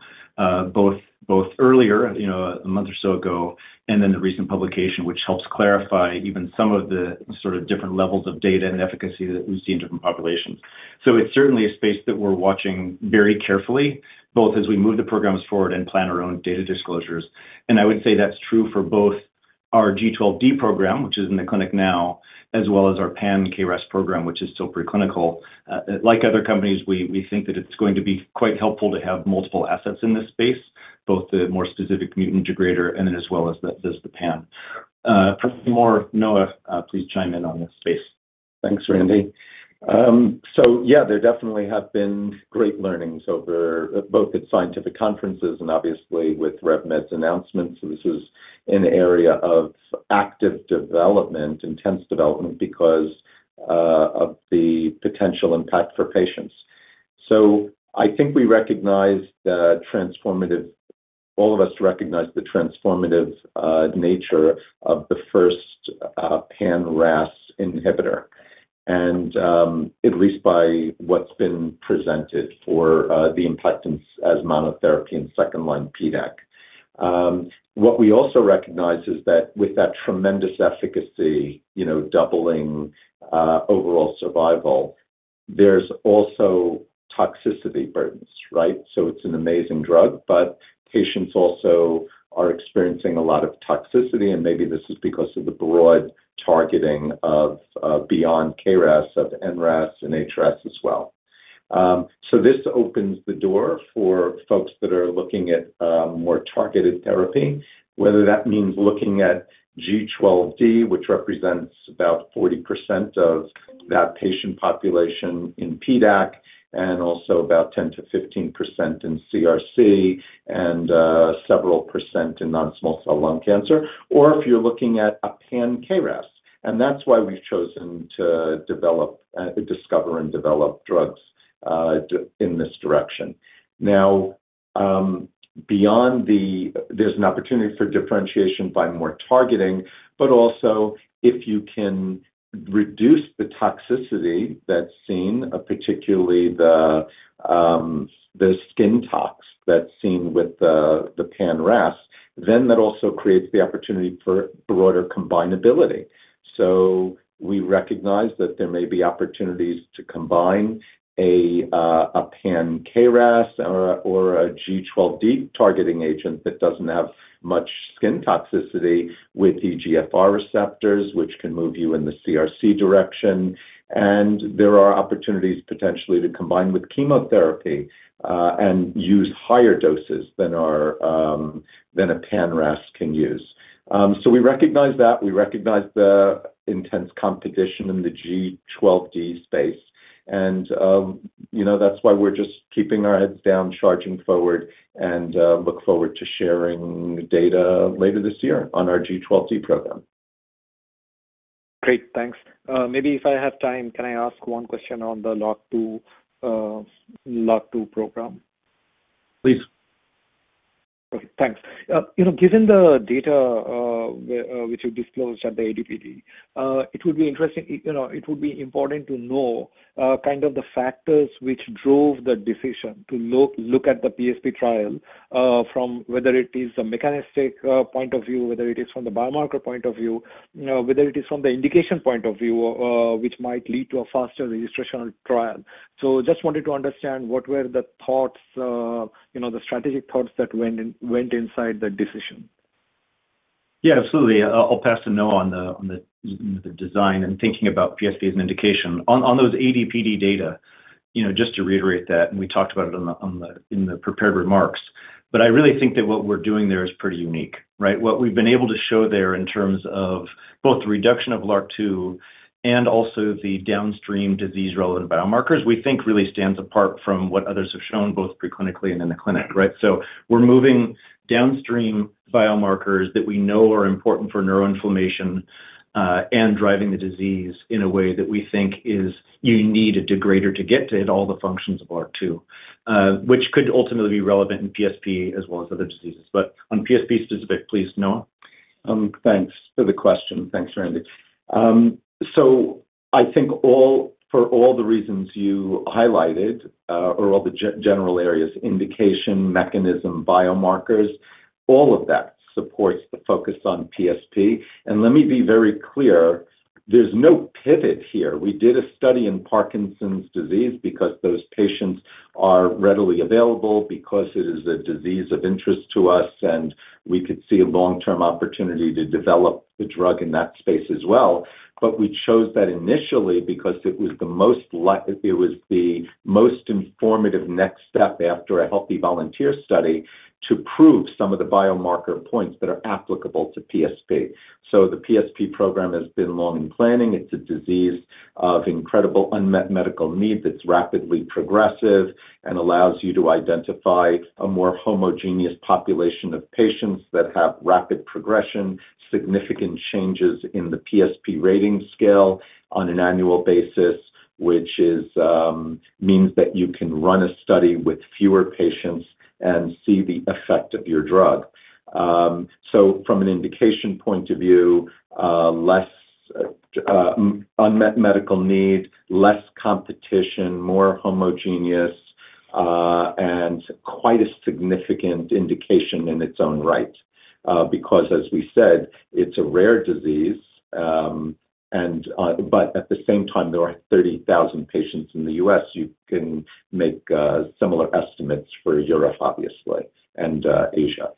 both earlier, you know, a month or so ago, and then the recent publication, which helps clarify even some of the sort of different levels of data and efficacy that we see in different populations. It's certainly a space that we're watching very carefully, both as we move the programs forward and plan our own data disclosures. I would say that's true for both our G12D program, which is in the clinic now, as well as our pan-KRAS program, which is still preclinical. Like other companies, we think that it's going to be quite helpful to have multiple assets in this space, both the more specific mutant integrator and then as well as the pan. For more, Noah, please chime in on this space. Thanks, Randy. Yeah, there definitely have been great learnings over both at scientific conferences and obviously with RevMed's announcements. This is an area of active development, intense development because of the potential impact for patients. I think we recognize the transformative, all of us recognize the transformative nature of the first pan RAS inhibitor. At least by what's been presented for the importance as monotherapy in second-line PDAC. What we also recognize is that with that tremendous efficacy, you know, doubling overall survival, there's also toxicity burdens, right? It's an amazing drug, but patients also are experiencing a lot of toxicity, and maybe this is because of the broad targeting of beyond KRAS of NRAS and HRAS as well. This opens the door for folks that are looking at more targeted therapy, whether that means looking at G12D, which represents about 40% of that patient population in PDAC and also about 10%-15% in CRC and several percent in non-small cell lung cancer, or if you're looking at a pan KRAS. That's why we've chosen to discover and develop drugs in this direction. Beyond there's an opportunity for differentiation by more targeting, but also if you can reduce the toxicity that's seen, particularly the skin tox that's seen with the pan RAS, then that also creates the opportunity for broader combinability. We recognize that there may be opportunities to combine a pan KRAS or a G12D targeting agent that doesn't have much skin toxicity with EGFR receptors, which can move you in the CRC direction. There are opportunities potentially to combine with chemotherapy and use higher doses than a pan KRAS can use. We recognize that. We recognize the intense competition in the G12D space and, you know, that's why we're just keeping our heads down, charging forward, and look forward to sharing data later this year on our G12D program. Great. Thanks. Maybe if I have time, can I ask one question on the LRRK2 program? Please. Okay, thanks. You know, given the data, which you disclosed at the AD/PD, it would be interesting, you know, it would be important to know, kind of the factors which drove the decision to look at the PSP trial, from whether it is a mechanistic point of view, whether it is from the biomarker point of view, you know, whether it is from the indication point of view, which might lead to a faster registrational trial. Just wanted to understand what were the thoughts, you know, the strategic thoughts that went inside the decision. Yeah, absolutely. I'll pass to Noah on the design and thinking about PSP as an indication. On those AD/PD data, you know, just to reiterate that, we talked about it in the prepared remarks. I really think that what we're doing there is pretty unique, right? What we've been able to show there in terms of both the reduction of LRRK2 and also the downstream disease-relevant biomarkers, we think really stands apart from what others have shown, both pre-clinically and in the clinic, right? We're moving downstream biomarkers that we know are important for neuroinflammation, driving the disease in a way that we think is you need a degrader to get to hit all the functions of LRRK2, which could ultimately be relevant in PSP as well as other diseases. On PSP specific, please, Noah. Thanks for the question. Thanks, Randy. I think for all the reasons you highlighted, or all the general areas, indication, mechanism, biomarkers, all of that supports the focus on PSP. Let me be very clear, there's no pivot here. We did a study in Parkinson's disease because those patients are readily available, because it is a disease of interest to us, and we could see a long-term opportunity to develop the drug in that space as well. We chose that initially because it was the most informative next step after a healthy volunteer study to prove some of the biomarker points that are applicable to PSP. The PSP program has been long in planning. It's a disease of incredible unmet medical need that's rapidly progressive and allows you to identify a more homogeneous population of patients that have rapid progression, significant changes in the PSP rating scale on an annual basis, which means that you can run a study with fewer patients and see the effect of your drug. From an indication point of view, less unmet medical need, less competition, more homogeneous, and quite a significant indication in its own right. Because as we said, it's a rare disease, and, but at the same time, there are 30,000 patients in the U.S. You can make similar estimates for Europe, obviously, and Asia.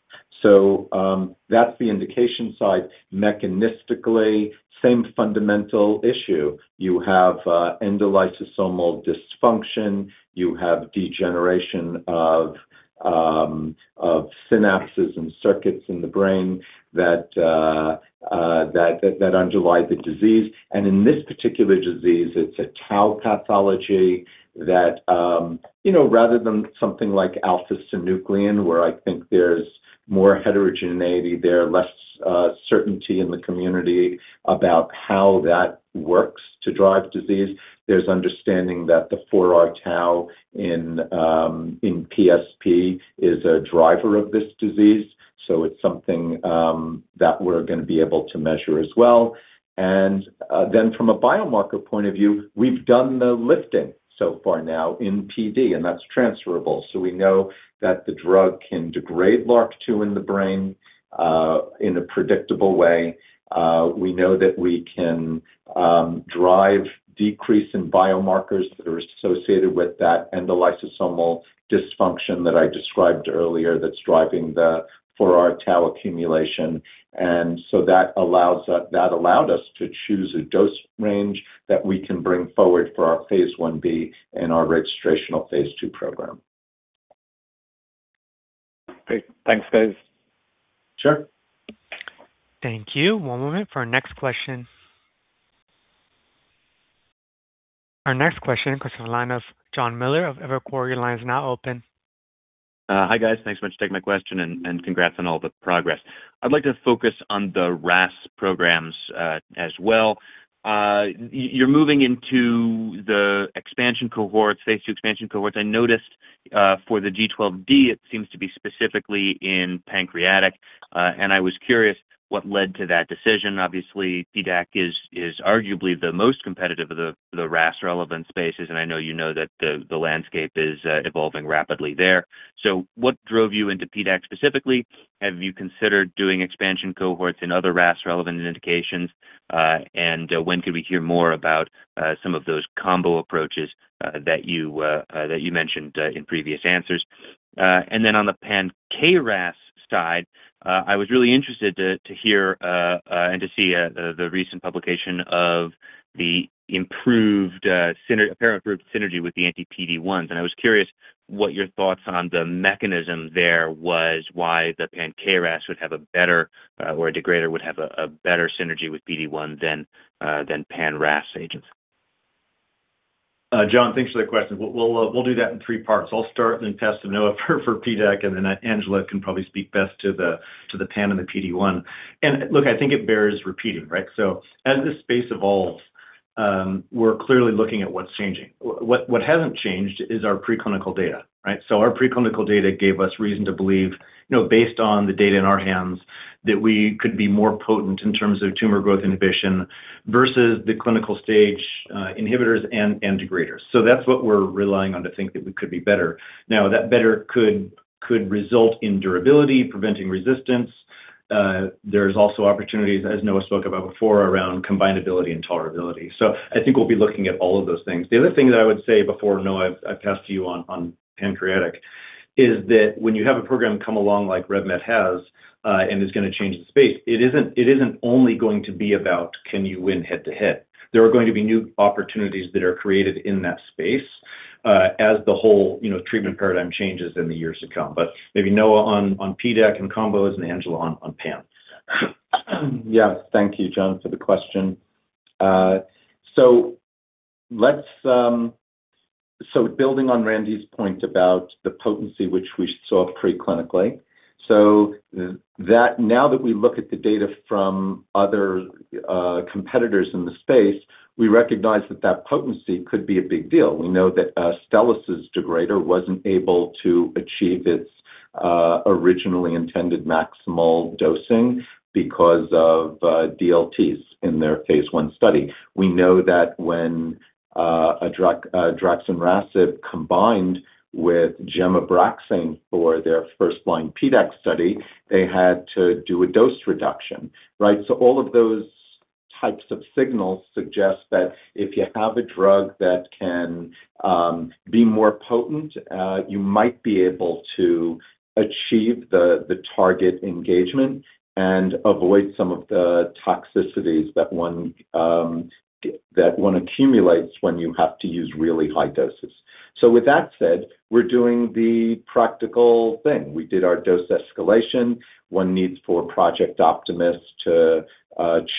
That's the indication side. Mechanistically, same fundamental issue. You have endolysosomal dysfunction, you have degeneration of synapses and circuits in the brain that underlie the disease. In this particular disease, it's a tau pathology that, you know, rather than something like alpha-synuclein, where I think there's more heterogeneity there, less certainty in the community about how that works to drive disease. There's understanding that the 4R-tau in PSP is a driver of this disease, so it's something that we're going to be able to measure as well. Then from a biomarker point of view, we've done the lifting so far now in PD, and that's transferable. We know that the drug can degrade LRRK2 in the brain in a predictable way. We know that we can drive decrease in biomarkers that are associated with that endolysosomal dysfunction that I described earlier that's driving the 4R-tau accumulation. That allowed us to choose a dose range that we can bring forward for our phase I-B and our registrational phase II program. Great. Thanks, guys. Sure. Thank you. One moment for our next question. Our next question comes from the line of Jon Miller of Evercore. Your line is now open. Hi, guys. Thanks so much for taking my question, and congrats on all the progress. I'd like to focus on the RAS programs as well. You're moving into the expansion cohorts, phase II expansion cohorts. I noticed for the G12D, it seems to be specifically in pancreatic, and I was curious what led to that decision. Obviously, PDAC is arguably the most competitive of the RAS relevant spaces, and I know you know that the landscape is evolving rapidly there. What drove you into PDAC specifically? Have you considered doing expansion cohorts in other RAS relevant indications? When could we hear more about some of those combo approaches that you mentioned in previous answers? On the pan-KRAS side, I was really interested to hear, and to see, the recent publication of the apparent improved synergy with the anti-PD-1s, and I was curious what your thoughts on the mechanism there was why the pan-KRAS would have a better, or a degrader would have a better synergy with PD-1 than pan-RAS agents. Jon, thanks for that question. We'll do that in three parts. I'll start and then pass to Noah for PDAC, and then Angela can probably speak best to the pan-KRAS and the anti-PD-1. Look, I think it bears repeating, right? As this space evolves, we're clearly looking at what's changing. What hasn't changed is our preclinical data, right? Our preclinical data gave us reason to believe, you know, based on the data in our hands, that we could be more potent in terms of tumor growth inhibition versus the clinical stage inhibitors and degraders. That's what we're relying on to think that we could be better. Now, that better could result in durability, preventing resistance. There's also opportunities, as Noah spoke about before, around combined ability and tolerability. I think we'll be looking at all of those things. The other thing that I would say before, Noah, I pass to you on pancreatic, is that when you have a program come along like RevMed has, and is going to change the space, it isn't only going to be about can you win head-to-head. There are going to be new opportunities that are created in that space, as the whole, you know, treatment paradigm changes in the years to come. Maybe Noah on PDAC and combos and Angela on pan. Yeah. Thank you, Jon, for the question. Building on Randy's point about the potency which we saw preclinically, now that we look at the data from other competitors in the space, we recognize that potency could be a big deal. We know that Stellis' degrader wasn't able to achieve its originally intended maximal dosing because of DLTs in their phase I study. We know that when a drug, divarasib combined with Abraxane for their first-line PDAC study, they had to do a dose reduction, right? All of those types of signals suggest that if you have a drug that can be more potent, you might be able to achieve the target engagement and avoid some of the toxicities that one accumulates when you have to use really high doses. With that said, we're doing the practical thing. We did our dose escalation. One needs for Project Optimus to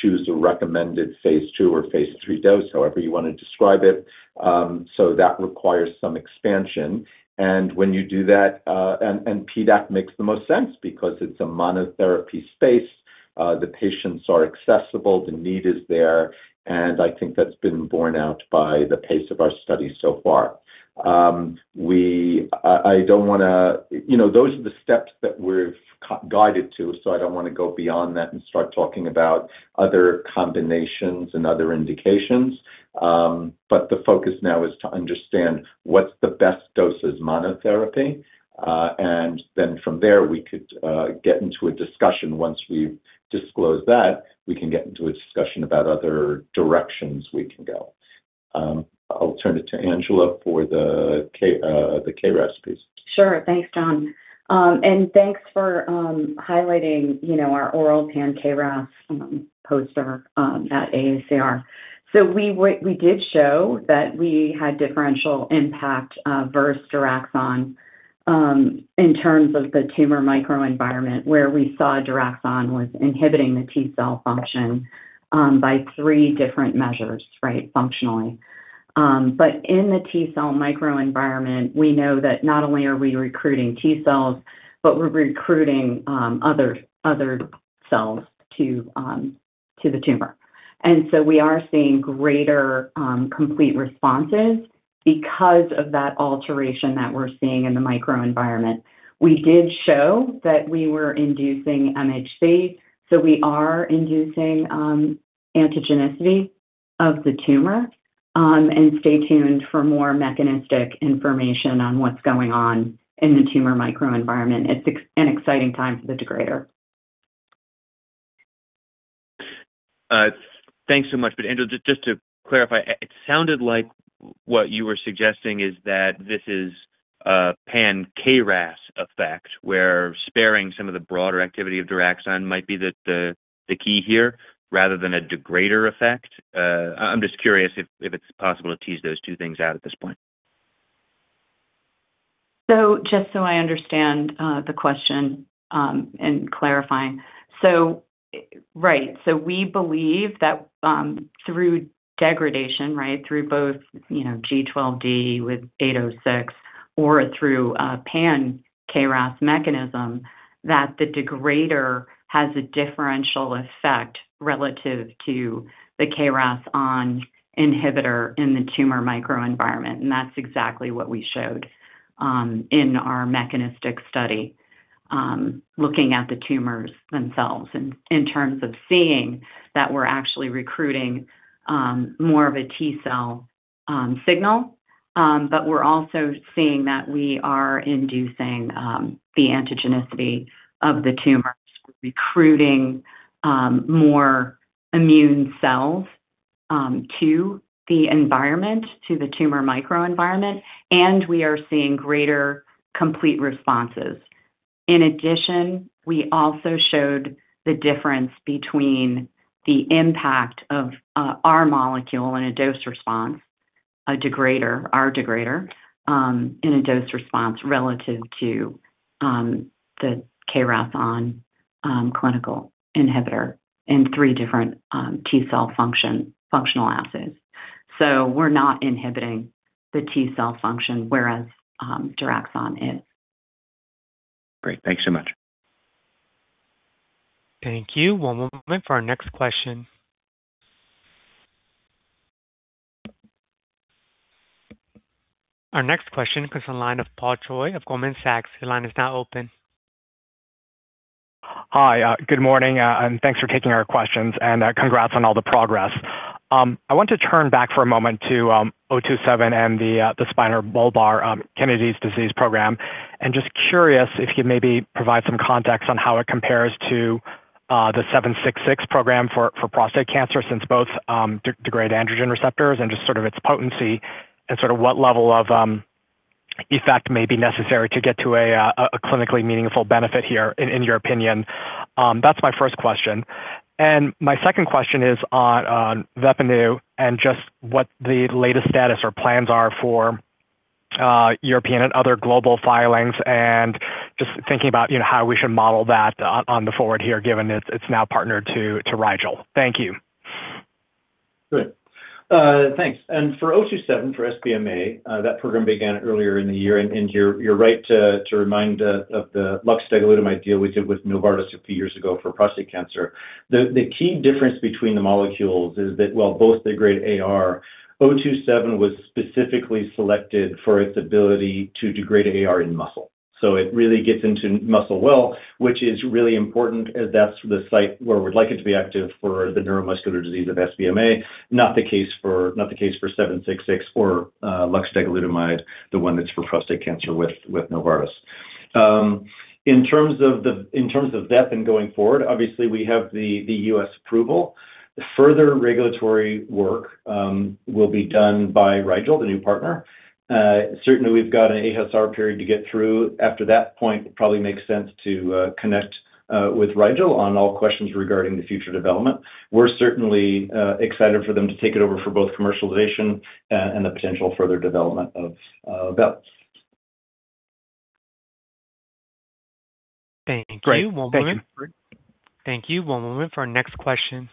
choose a recommended phase II or phase III dose, however you want to describe it. That requires some expansion. When you do that, PDAC makes the most sense because it's a monotherapy space. The patients are accessible, the need is there, and I think that's been borne out by the pace of our study so far. We don't wanna. You know, those are the steps that we've guided to, so I don't wanna go beyond that and start talking about other combinations and other indications. The focus now is to understand what's the best dose as monotherapy, and then from there, we could get into a discussion. Once we've disclosed that, we can get into a discussion about other directions we can go. I'll turn it to Angela for the KRAS piece. Sure. Thanks, Jon. Thanks for highlighting, you know, our oral pan-KRAS poster at AACR. We did show that we had differential impact versus Duraxon in terms of the tumor microenvironment, where we saw Duraxon was inhibiting the T-cell function by three different measures, right? Functionally. In the T-cell microenvironment, we know that not only are we recruiting T-cells, but we're recruiting other cells to the tumor. We are seeing greater complete responses because of that alteration that we're seeing in the microenvironment. We did show that we were inducing MHC, so we are inducing antigenicity of the tumor. Stay tuned for more mechanistic information on what's going on in the tumor microenvironment. It's an exciting time for the degrader. Thanks so much. Angela, just to clarify, it sounded like what you were suggesting is that this is a pan-KRAS effect, where sparing some of the broader activity of Duraxon might be the key here rather than a degrader effect. I'm just curious if it's possible to tease those two things out at this point. Just so I understand the question and clarifying. Right. We believe that through degradation, right, through both, you know, G12D with 806 or through a pan-KRAS mechanism, that the degrader has a differential effect relative to the KRAS inhibitor in the tumor microenvironment. That's exactly what we showed in our mechanistic study looking at the tumors themselves in terms of seeing that we're actually recruiting more of a T-cell signal. We're also seeing that we are inducing the antigenicity of the tumor, recruiting more immune cells to the environment, to the tumor microenvironment, and we are seeing greater complete responses. In addition, we also showed the difference between the impact of our molecule, a degrader, our degrader in a dose response relative to the KRAS(ON) clinical inhibitor in three different T-cell function functional assays. We're not inhibiting the T-cell function whereas Duraxon is. Great. Thanks so much. Thank you. One moment for our next question. Our next question comes from the line of Paul Choi of Goldman Sachs. Your line is now open. Hi. good morning, and thanks for taking our questions, and congrats on all the progress. I want to turn back for a moment to 027 and the spinobulbar Kennedy's disease program. just curious if you'd maybe provide some context on how it compares to the 766 program for prostate cancer since both degrade androgen receptors and just sort of its potency and sort of what level of effect may be necessary to get to a clinically meaningful benefit here in your opinion. that's my first question. my second question is on VEPPANU and just what the latest status or plans are for European and other global filings and just thinking about, you know, how we should model that on the forward here, given it's now partnered to Rigel. Thank you. Good. Thanks. For ARV-027, for SBMA, that program began earlier in the year, and you're right to remind of the luxdegalutamide deal we did with Novartis a few years ago for prostate cancer. The key difference between the molecules is that while both degrade AR, ARV-027 was specifically selected for its ability to degrade AR in muscle. It really gets into muscle well, which is really important as that's the site where we'd like it to be active for the neuromuscular disease of SBMA, not the case for ARV-766 or luxdegalutamide, the one that's for prostate cancer with Novartis. In terms of Vep and going forward, obviously we have the U.S. approval. The further regulatory work will be done by Rigel, the new partner. Certainly we've got an HSR period to get through. After that point, it probably makes sense to connect with Rigel on all questions regarding the future development. We're certainly excited for them to take it over for both commercialization and the potential further development of Vep. Thank you. One moment. Great. Thank you. Thank you. One moment for our next question.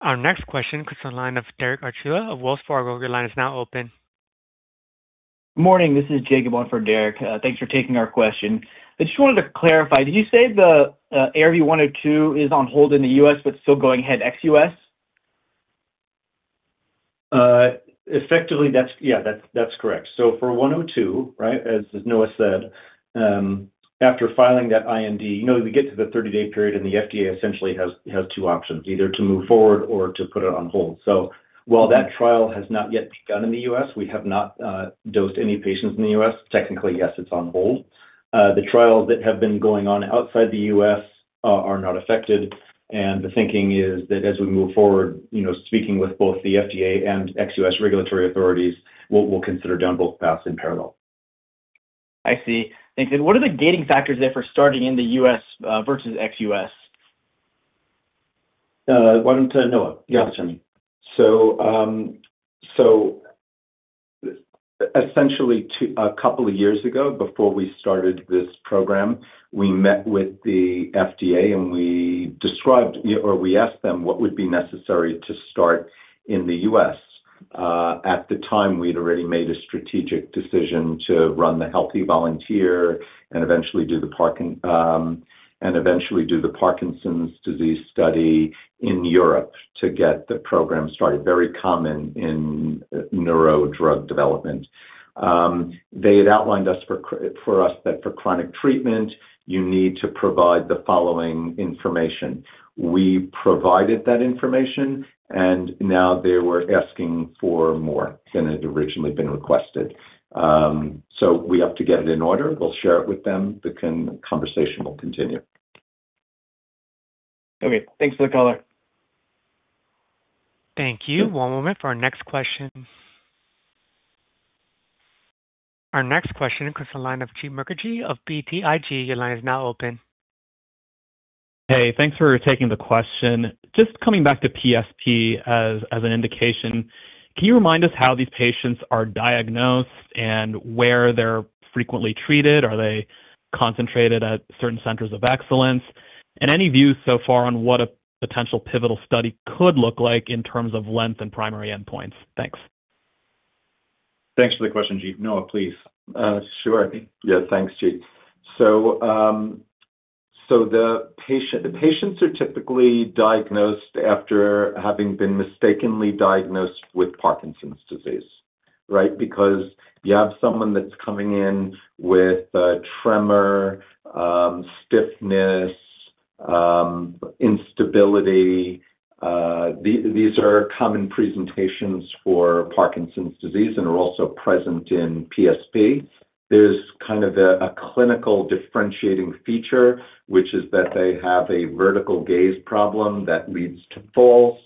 Our next question comes from the line of Derek Archila of Wells Fargo. Your line is now open. Morning, this is Jacob on for Derek. Thanks for taking our question. I just wanted to clarify, did you say the ARV 102 is on hold in the U.S., but still going ahead ex-U.S.? Effectively, that's correct. for 102, right, as Noah said, after filing that IND, you know, we get to the 30-day period, and the FDA essentially has two options, either to move forward or to put it on hold. while that trial has not yet begun in the U.S., we have not dosed any patients in the U.S. Technically, yes, it's on hold. the trials that have been going on outside the U.S. are not affected, and the thinking is that as we move forward, you know, speaking with both the FDA and ex-U.S. regulatory authorities, we'll consider down both paths in parallel. I see. Thanks. What are the gating factors there for starting in the U.S., versus ex-U.S.? Why don't, Noah? Yeah, Teal. Essentially a couple of years ago, before we started this program, we met with the FDA, and we described or we asked them what would be necessary to start in the U.S. At the time, we'd already made a strategic decision to run the healthy volunteer and eventually do the Parkinson's disease study in Europe to get the program started. Very common in neuro drug development. They had outlined for us that for chronic treatment you need to provide the following information. We provided that information, and now they were asking for more than had originally been requested. We have to get it in order. We'll share it with them. The conversation will continue. Okay. Thanks for the color. Thank you. One moment for our next question. Our next question comes from the line of Jeet Mukherjee of BTIG. Your line is now open. Hey, thanks for taking the question. Just coming back to PSP as an indication, can you remind us how these patients are diagnosed and where they're frequently treated? Are they concentrated at certain centers of excellence? Any views so far on what a potential pivotal study could look like in terms of length and primary endpoints? Thanks. Thanks for the question, Jeet. Noah, please. Sure. Yeah. Thanks, Jeet. The patients are typically diagnosed after having been mistakenly diagnosed with Parkinson's disease, right? Because you have someone that's coming in with a tremor, stiffness, instability. These are common presentations for Parkinson's disease and are also present in PSP. There's kind of a clinical differentiating feature, which is that they have a vertical gaze problem that leads to falls.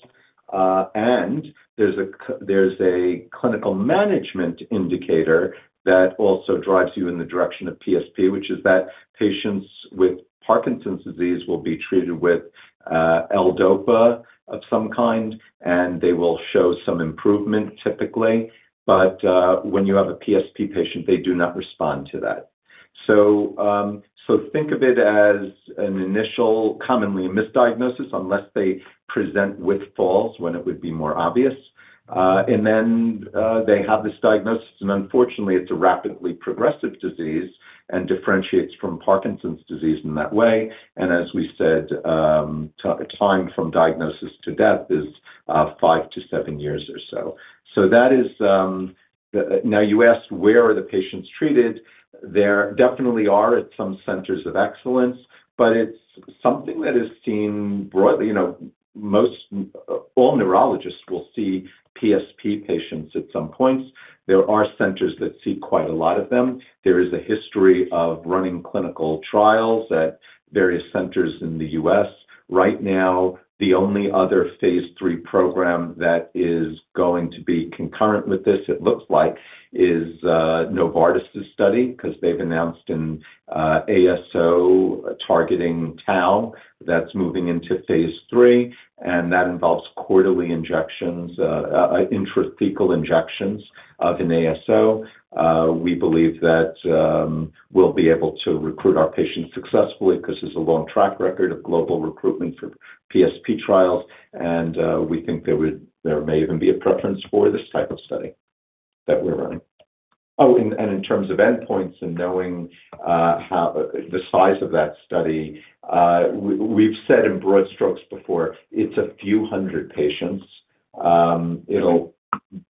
There's a clinical management indicator that also drives you in the direction of PSP, which is that patients with Parkinson's disease will be treated with L-DOPA of some kind, and they will show some improvement typically. When you have a PSP patient, they do not respond to that. Think of it as an initial commonly misdiagnosed unless they present with falls when it would be more obvious. They have this diagnosis, and unfortunately, it's a rapidly progressive disease and differentiates from Parkinson's disease in that way. As we said, the time from diagnosis to death is five to seven years or so. That is the. Now you asked where are the patients treated. There definitely are at some centers of excellence, but it's something that is seen broadly. You know, most all neurologists will see PSP patients at some point. There are centers that see quite a lot of them. There is a history of running clinical trials at various centers in the U.S. Right now, the only other phase III program that is going to be concurrent with this, it looks like, is Novartis' study because they've announced an ASO targeting tau that's moving into phase III, and that involves quarterly injections, intrathecal injections of an ASO. We believe that we'll be able to recruit our patients successfully 'cause there's a long track record of global recruitment for PSP trials. We think there may even be a preference for this type of study that we're running. In terms of endpoints and knowing how the size of that study, we've said in broad strokes before, it's a few hundred patients. It'll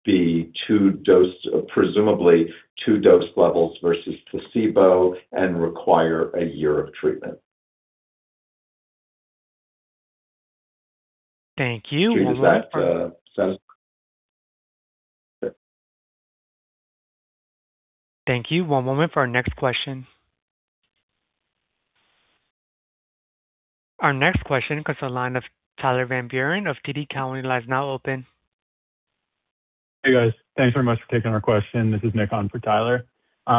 be two dose levels, presumably, versus placebo and require a year of treatment. Thank you. Jeet, does that settle it? Thank you. One moment for our next question. Our next question comes to the line of Tyler Van Buren of TD Cowen. Line's now open. Hey, guys. Thanks very much for taking our question. This is Nick on for Tyler.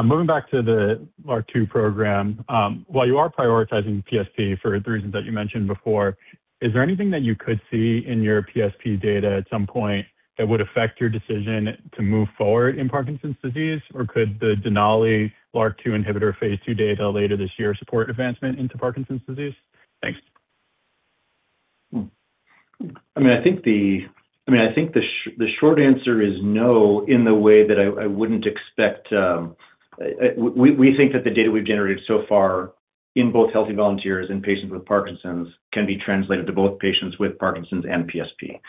Moving back to the LRRK2 program. While you are prioritizing PSP for the reasons that you mentioned before, is there anything that you could see in your PSP data at some point that would affect your decision to move forward in Parkinson's disease? Could the Denali LRRK2 inhibitor phase II data later this year support advancement into Parkinson's disease? Thanks. I mean, I think the short answer is no in the way that I wouldn't expect. We think that the data we've generated so far in both healthy volunteers and patients with Parkinson's can be translated to both patients with Parkinson's and PSP.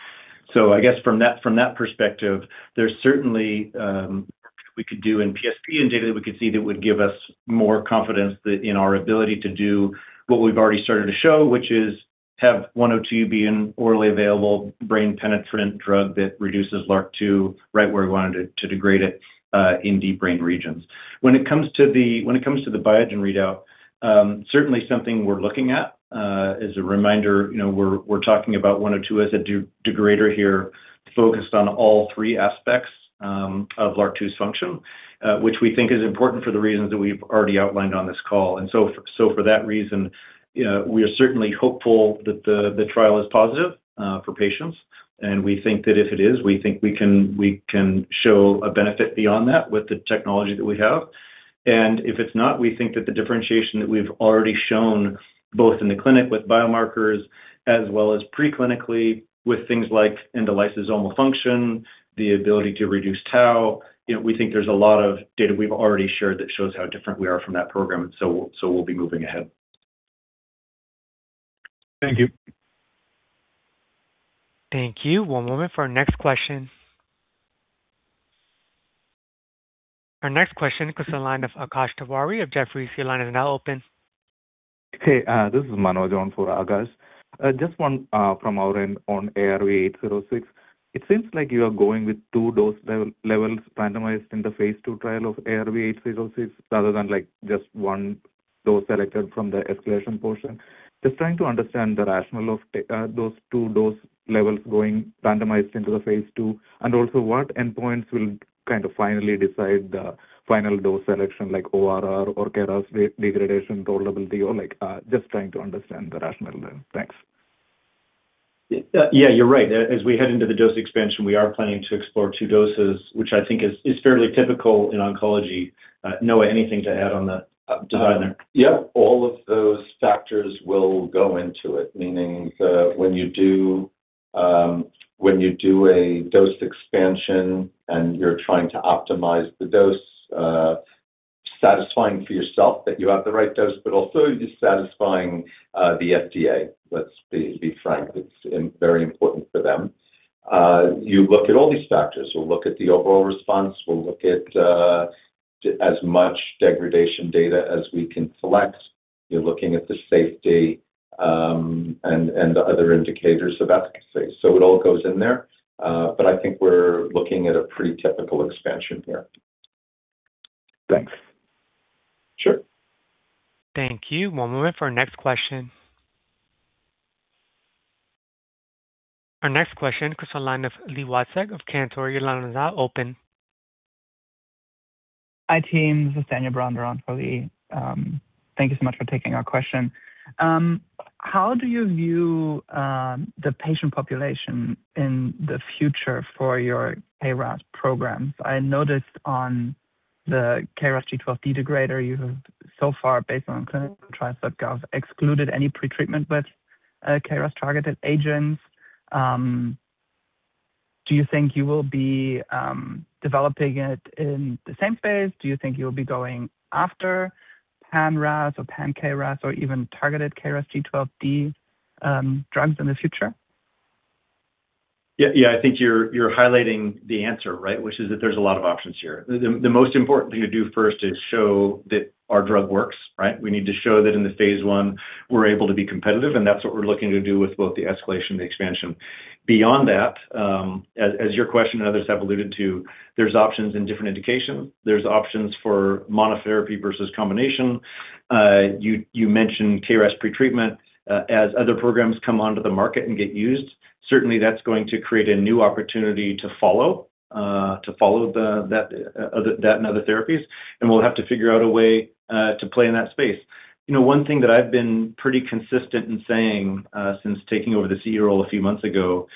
I guess from that perspective, there's certainly work we could do in PSP and data that we could see that would give us more confidence that in our ability to do what we've already started to show, which is have 102 be an orally available brain penetrant drug that reduces LRRK2 right where we want it to degrade it in deep brain regions. When it comes to the Biogen readout, certainly something we're looking at. As a reminder, you know, we're talking about 102 as a degrader here, focused on all three aspects of LRRK2's function, which we think is important for the reasons that we've already outlined on this call. For that reason, you know, we are certainly hopeful that the trial is positive for patients. We think that if it is, we think we can show a benefit beyond that with the technology that we have. If it's not, we think that the differentiation that we've already shown, both in the clinic with biomarkers as well as pre-clinically with things like endolysosomal function, the ability to reduce tau, you know, we think there's a lot of data we've already shared that shows how different we are from that program, so we'll be moving ahead. Thank you. Thank you. One moment for our next question. Our next question comes from the line of Akash Tewari of Jefferies. Your line is now open. This is Manoj on for Akash. Just one from our end on ARV-806. It seems like you are going with two dose levels randomized in the phase II trial of ARV-806, rather than, like, just one dose selected from the escalation portion. Just trying to understand the rationale of those two dose levels going randomized into the phase II, and also what endpoints will kind of finally decide the final dose selection, like ORR or KRAS degradation, tolerability or like, just trying to understand the rationale there. Thanks. Yeah, you're right. As we head into the dose expansion, we are planning to explore two doses, which I think is fairly typical in oncology. Noah, anything to add on the Uh- design there? Yeah. All of those factors will go into it. Meaning the, when you do, when you do a dose expansion and you're trying to optimize the dose, satisfying for yourself that you have the right dose, but also you're satisfying, the FDA. Let's be frank. It's very important for them. You look at all these factors. We'll look at the overall response. We'll look at as much degradation data as we can collect. You're looking at the safety, and the other indicators of efficacy. It all goes in there. I think we're looking at a pretty typical expansion here. Thanks. Sure. Thank you. One moment for our next question. Our next question comes from the line of Li Watsek of Cantor. Your line is now open. Hi, team. This is Daniel Bronner on for Li. Thank you so much for taking our question. How do you view the patient population in the future for your KRAS program? I noticed on the KRAS G12D degrader you have so far, based on clinicaltrials.gov, excluded any pretreatment with KRAS-targeted agents. Do you think you will be developing it in the same phase? Do you think you'll be going after pan-RAS or pan-KRAS or even targeted KRAS G12D drugs in the future? Yeah, I think you're highlighting the answer, right? There's a lot of options here. The most important thing to do first is show that our drug works, right? We need to show that in the phase I we're able to be competitive, and that's what we're looking to do with both the escalation and the expansion. Beyond that, as your question and others have alluded to, there's options in different indication. There's options for monotherapy versus combination. You mentioned KRAS pretreatment. Other programs come onto the market and get used, certainly that's going to create a new opportunity to follow that and other therapies, and we'll have to figure out a way to play in that space. You know, one thing that I've been pretty consistent in saying since taking over the CEO role a few months ago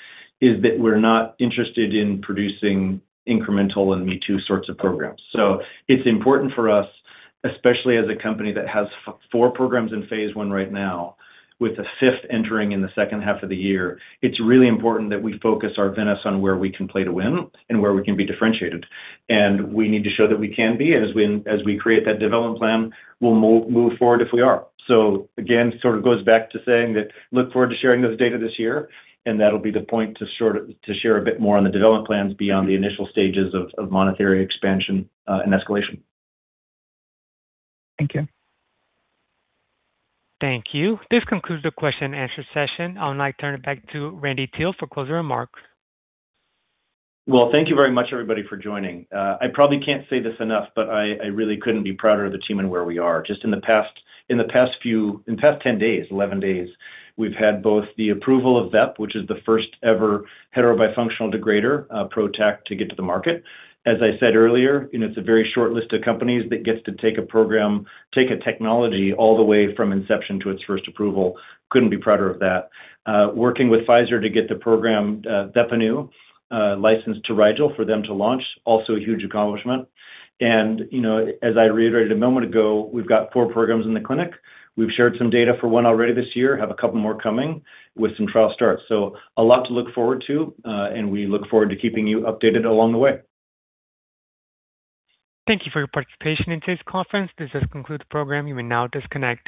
is that we're not interested in producing incremental and me-too sorts of programs. It's important for us, especially as a company that has four programs in phase I right now, with a fifth entering in the second half of the year, it's really important that we focus Arvinas on where we can play to win and where we can be differentiated, and we need to show that we can be. As we create that development plan, we'll move forward if we are. Again, sort of goes back to saying that look forward to sharing those data this year, and that'll be the point to sort of to share a bit more on the development plans beyond the initial stages of monotherapy expansion, and escalation. Thank you. Thank you. This concludes the question-and-answer session. I would now turn it back to Randy Teel for closing remarks. Well, thank you very much, everybody, for joining. I probably can't say this enough, but I really couldn't be prouder of the team and where we are. Just in the past ten days, eleven days, we've had both the approval of VEP, which is the first ever heterobifunctional degrader, PROTAC to get to the market. As I said earlier, you know, it's a very short list of companies that gets to take a program, take a technology all the way from inception to its first approval. Couldn't be prouder of that. Working with Pfizer to get the program, VEPPENU, licensed to Rigel for them to launch, also a huge accomplishment. You know, as I reiterated a moment ago, we've got four programs in the clinic. We've shared some data for one already this year, have a couple more coming with some trial starts. a lot to look forward to, and we look forward to keeping you updated along the way. Thank you for your participation in today's conference. This does conclude the program. You may now disconnect.